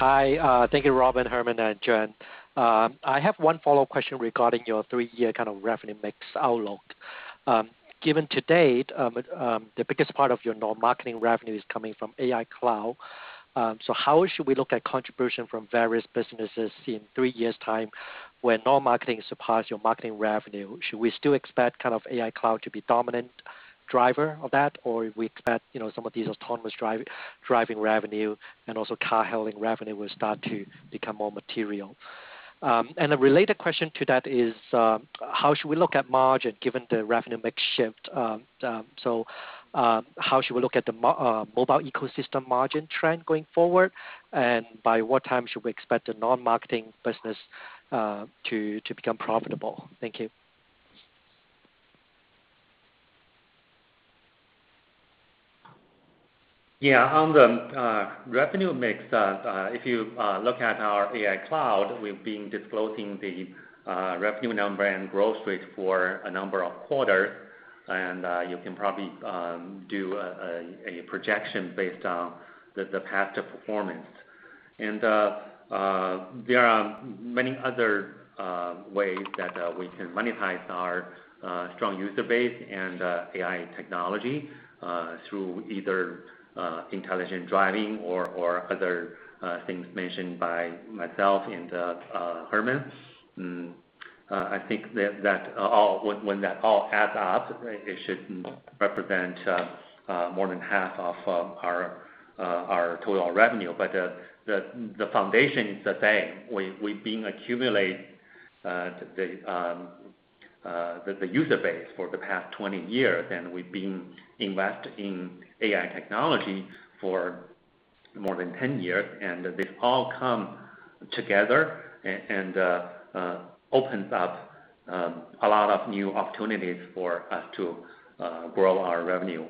go ahead. Hi. Thank you, Robin, Herman, and Juan. I have one follow-up question regarding your three-year kind of revenue mix outlook. Given to date, the biggest part of your non-marketing revenue is coming from AI Cloud. How should we look at contribution from various businesses in three years' time when non-marketing surpasses your marketing revenue? Should we still expect Baidu AI Cloud to be dominant driver of that, or we expect some of these autonomous driving revenue and also Apollo Go revenue will start to become more material? The related question to that is, how should we look at margin given the revenue mix shift? How should we look at the Mobile Ecosystem margin trend going forward, and by what time should we expect the non-marketing business to become profitable? Thank you. Yeah. On the revenue mix, if you look at our AI Cloud, we've been disclosing the revenue number and growth rate for a number of quarters, and you can probably do a projection based on the past performance. And, there are many other ways that we can monetize our strong user base and AI technology, through either Intelligent Driving or other things mentioned by myself and Herman. I think that when that all adds up, it should represent more than half of our total revenue. The foundation is the same. We've been accumulating the user base for the past 20 years, and we've been investing in AI technology for more than 10 years, and they all come together and opens up a lot of new opportunities for us to grow our revenue.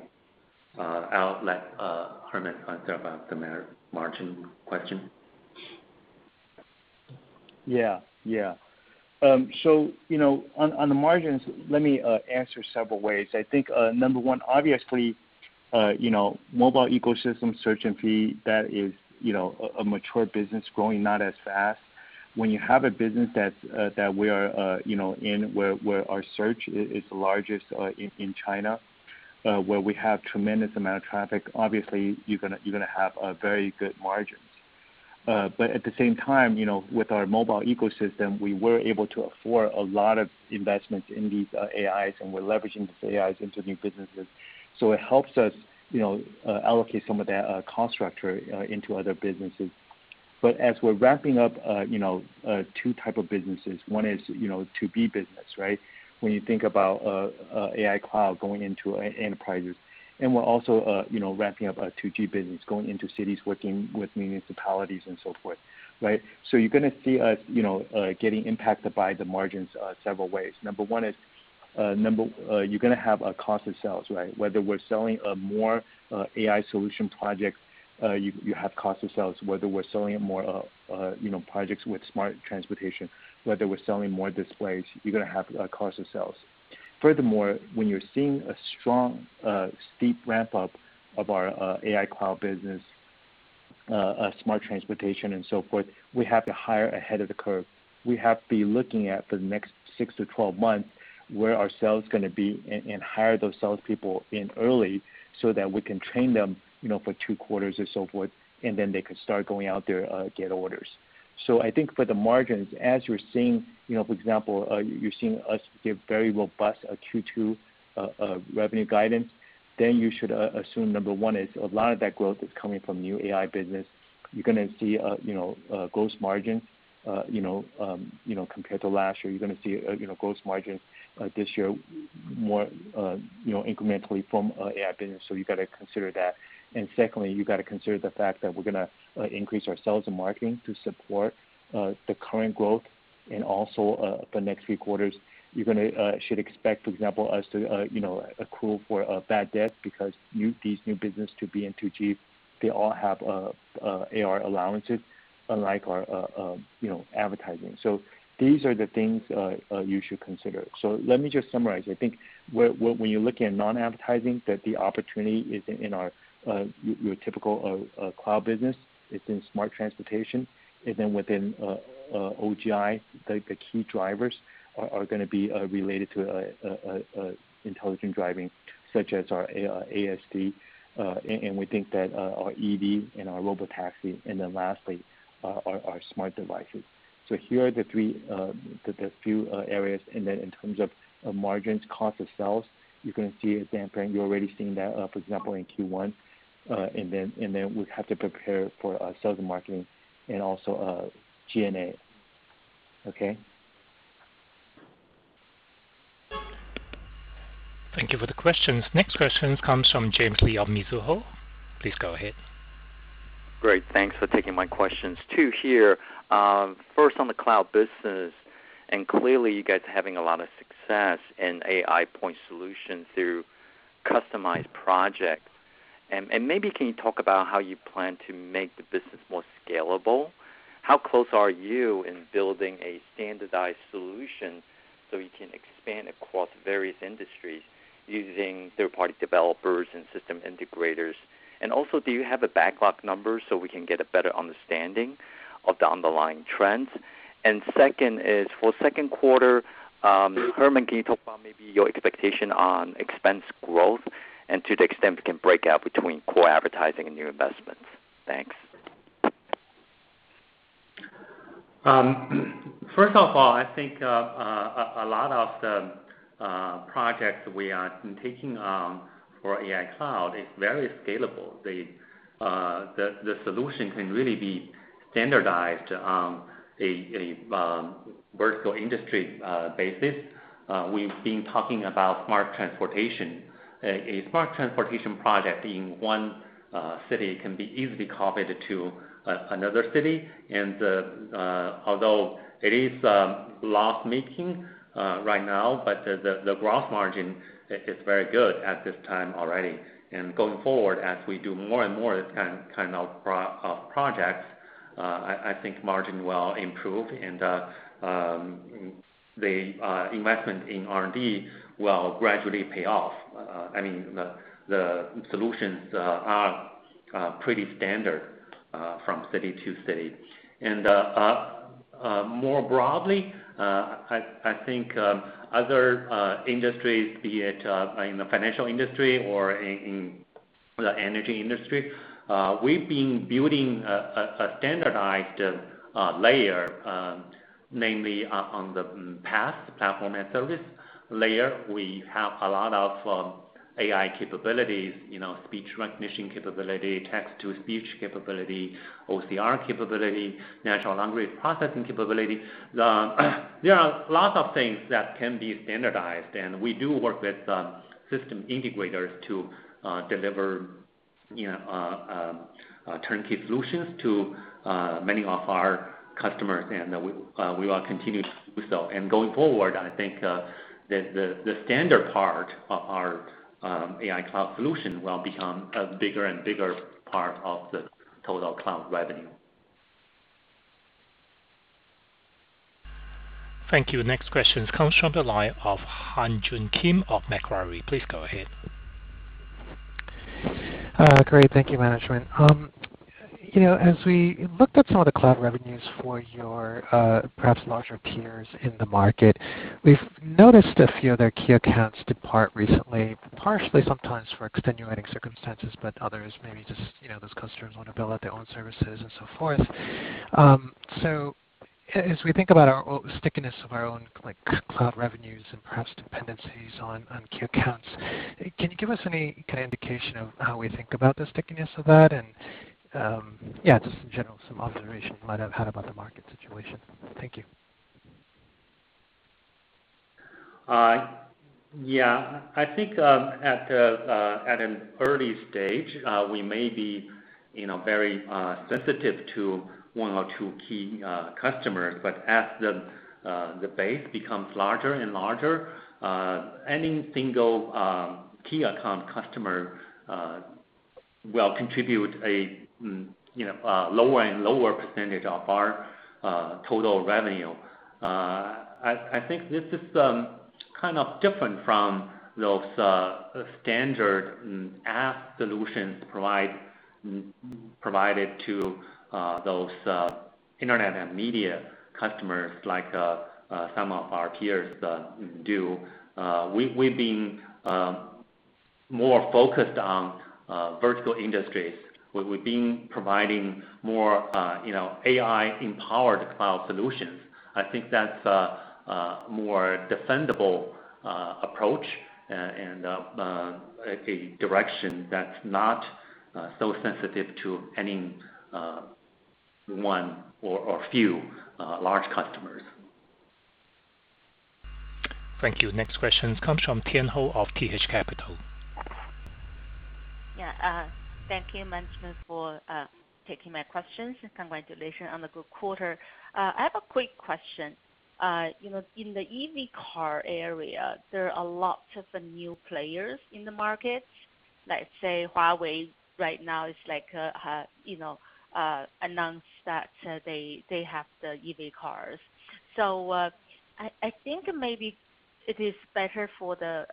I'll let Herman talk about the margin question. Yeah, yeah. So, you know, on the margins, let me answer several ways. I think, number one, obviously, Mobile Ecosystem search and feed, that is, you know, a mature business growing not as fast. When you have a business that we are in where our search is the largest in China, where we have tremendous amount of traffic, obviously, you're going to have very good margins. At the same time, with our Mobile Ecosystem, we were able to afford a lot of investments in these AIs, and we're leveraging these AIs into new businesses. It helps us allocate some of that cost structure into other businesses. As we're wrapping up two type of businesses, one is 2B business, right? When you think about AI Cloud going into enterprises, and we're also, you know, wrapping up our 2G business, going into cities, working with municipalities and so forth, right? So, you're going to see us, you know, getting impacted by the margins several ways. Number one is, you're going to have a cost of sales, right? Whether we're selling more AI solution projects you have cost of sales. Whether we're selling more projects with smart transportation, whether we're selling more displays, you're going to have cost of sales. Furthermore, when you're seeing a strong, steep ramp-up of our AI Cloud business, smart transportation and so forth, we have to hire ahead of the curve. We have to be looking at for the next six-12 months where our sales are going to be and hire those salespeople in early, so that we can train them for two quarters or so forth, and then they can start going out there, get orders. So, I think for the margins, as you're seeing, for example, you're seeing us give very robust Q2 revenue guidance. Then you should assume number one is a lot of that growth is coming from new AI business. You're going to see a gross margin, you know, compared to last year. You're going to see a gross margin this year more incrementally from AI business. So, you got to consider that. And secondly, you got to consider the fact that we're going to increase our sales and marketing to support the current growth and also the next few quarters. You should expect, for example, us to accrue for bad debt because these new business 2B and 2G, they all have AR allowances unlike our, you know, advertising. These are the things you should consider. So, let me just summarize. I think when you're looking at non-advertising, that the opportunity is in your typical cloud business. It's in smart transportation. Within OGI, the key drivers are going to be related to Intelligent Driving such as our ASD. And we think that our EV and our robotaxi, and then lastly, our smart devices. Here are the few areas. In terms of margins, cost of sales, you can see example, you're already seeing that, for example, in Q1. And then, we have to prepare for sales and marketing and also G&A. Okay? Thank you for the questions. Next question comes from James Lee of Mizuho. Please go ahead. Great. Thanks for taking my questions too here. First on the cloud business, clearly you guys are having a lot of success in AI point solution through customized projects. Maybe can you talk about how you plan to make the business more scalable? How close are you in building a standardized solution so you can expand across various industries using third-party developers and system integrators? Also, do you have the backlog numbers so we can get a better understanding of the underlying trends? And second is for second quarter, Herman, can you talk about maybe your expectation on expense growth and to the extent we can break out between core advertising and new investments? Thanks. First of all, I think a lot of the projects we are taking on for AI Cloud is very scalable. The solution can really be standardized on a vertical industry basis. We've been talking about smart transportation. A smart transportation project in one city can be easily copied to another city. Although it is loss-making right now, the gross margin is very good at this time already. Going forward, as we do more and more of this kind of projects, I think margin will improve. The investment in R&D will gradually pay off. I mean, the solutions are pretty standard from city to city. More broadly, I think other industries, be it in the financial industry or in the energy industry we've been building a standardized layer namely on the PaaS, Platform as a Service layer. We have a lot of AI capabilities, speech recognition capability, text-to-speech capability, OCR capability, natural language processing capability. There are lots of things that can be standardized, and we do work with system integrators to deliver turnkey solutions to many of our customers, and we will continue to do so. Going forward, I think the standard part of our AI cloud solution will become a bigger and bigger part of the total cloud revenue. Thank you. Next question comes from the line of Han Joon Kim of Macquarie. Please go ahead. Great. Thank you, management. As we looked at some of the cloud revenues for your perhaps larger peers in the market, we've noticed a few of their key accounts depart recently, partially sometimes for extenuating circumstances, but others maybe just those customers want to build out their own services and so forth. As we think about our own stickiness of our own cloud revenues and perhaps dependencies on key accounts, can you give us any kind of indication of how we think about the stickiness of that and, just in general, some observations you might have had about the market situation? Thank you. Yeah. I think at an early stage we may be, you know, very sensitive to one or two key customers. As the base becomes larger and larger, any single key account customer will contribute a lower and lower percentage of our total revenue. I think this is different from those standard app solutions provided to those internet and media customers like some of our peers do. We've been more focused on vertical industries. We've been providing more AI-empowered cloud solutions. I think that's a more defendable approach and a direction that's not so sensitive to any one or a few large customers. Thank you. Next question comes from Tian Hou of TH Capital. Yeah. Thank you, management, for taking my question, and congratulations on a good quarter. I have a quick question. In the EV car area, there are lots of new players in the market? Let's say Huawei right now, it's like, you know, announced that they have the EV cars. I think maybe it is better for the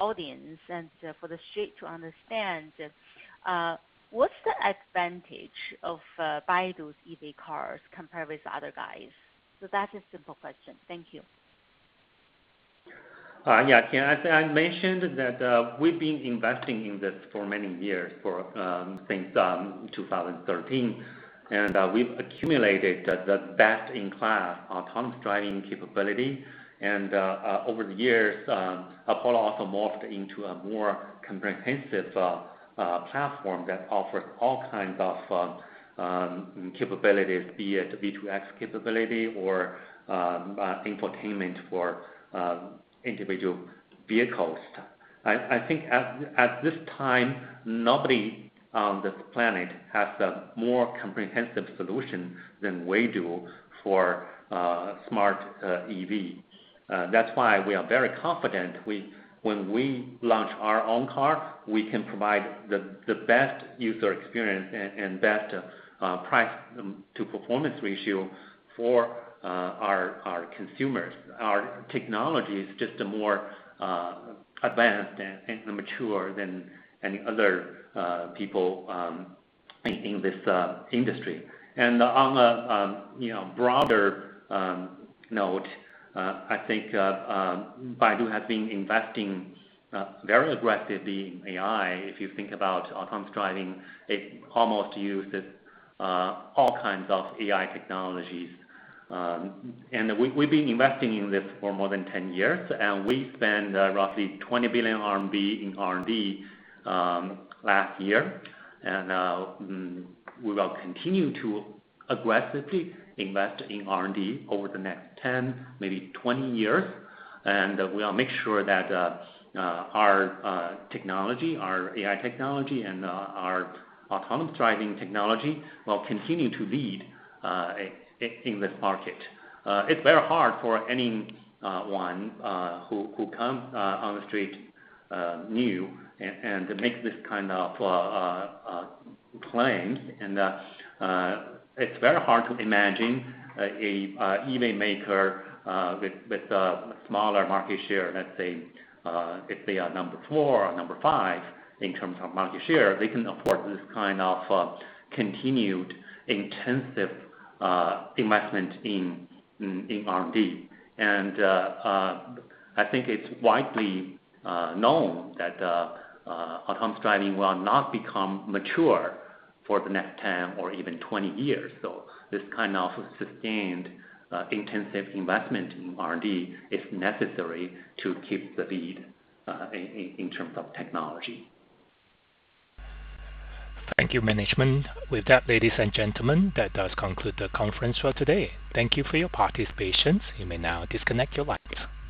audience and for the street to understand, what's the advantage of Baidu's EV cars compared with other guys? That's a simple question. Thank you. Yeah, Tian. I mentioned that we've been investing in this for many years, since 2013, we've accumulated the best-in-class autonomous driving capability. Over the years, Apollo also morphed into a more comprehensive platform that offers all kinds of capabilities, be it a V2X capability, or infotainment for individual vehicles. I think, at this time, nobody on this planet has a more comprehensive solution than we do for smart EV. That's why we are very confident when we launch our own car, we can provide the best user experience and best price to performance ratio for our consumers. Our technology is just more advanced and mature than any other people in this industry. On a broader note, I think Baidu has been investing very aggressively in AI. If you think about autonomous driving, it almost uses all kinds of AI technologies. We've been investing in this for more than 10 years, we spent roughly 20 billion RMB in R&D last year. We will continue to aggressively invest in R&D over the next 10, maybe 20 years. We'll make sure that our technology, our AI technology and our autonomous driving technology will continue to lead in this market. It's very hard for anyone who comes on the street new and makes this kind of claim, and it's very hard to imagine a EV maker with a smaller market share, let's say if they are number four or number five in terms of market share, they can afford this kind of continued intensive investment in R&D. I think it's widely known that autonomous driving will not become mature for the next 10 or even 20 years. This kind of sustained intensive investment in R&D is necessary to keep the lead in terms of technology. Thank you, management. With that, ladies and gentlemen, that does conclude the conference for today. Thank you for your participation. You may now disconnect your lines.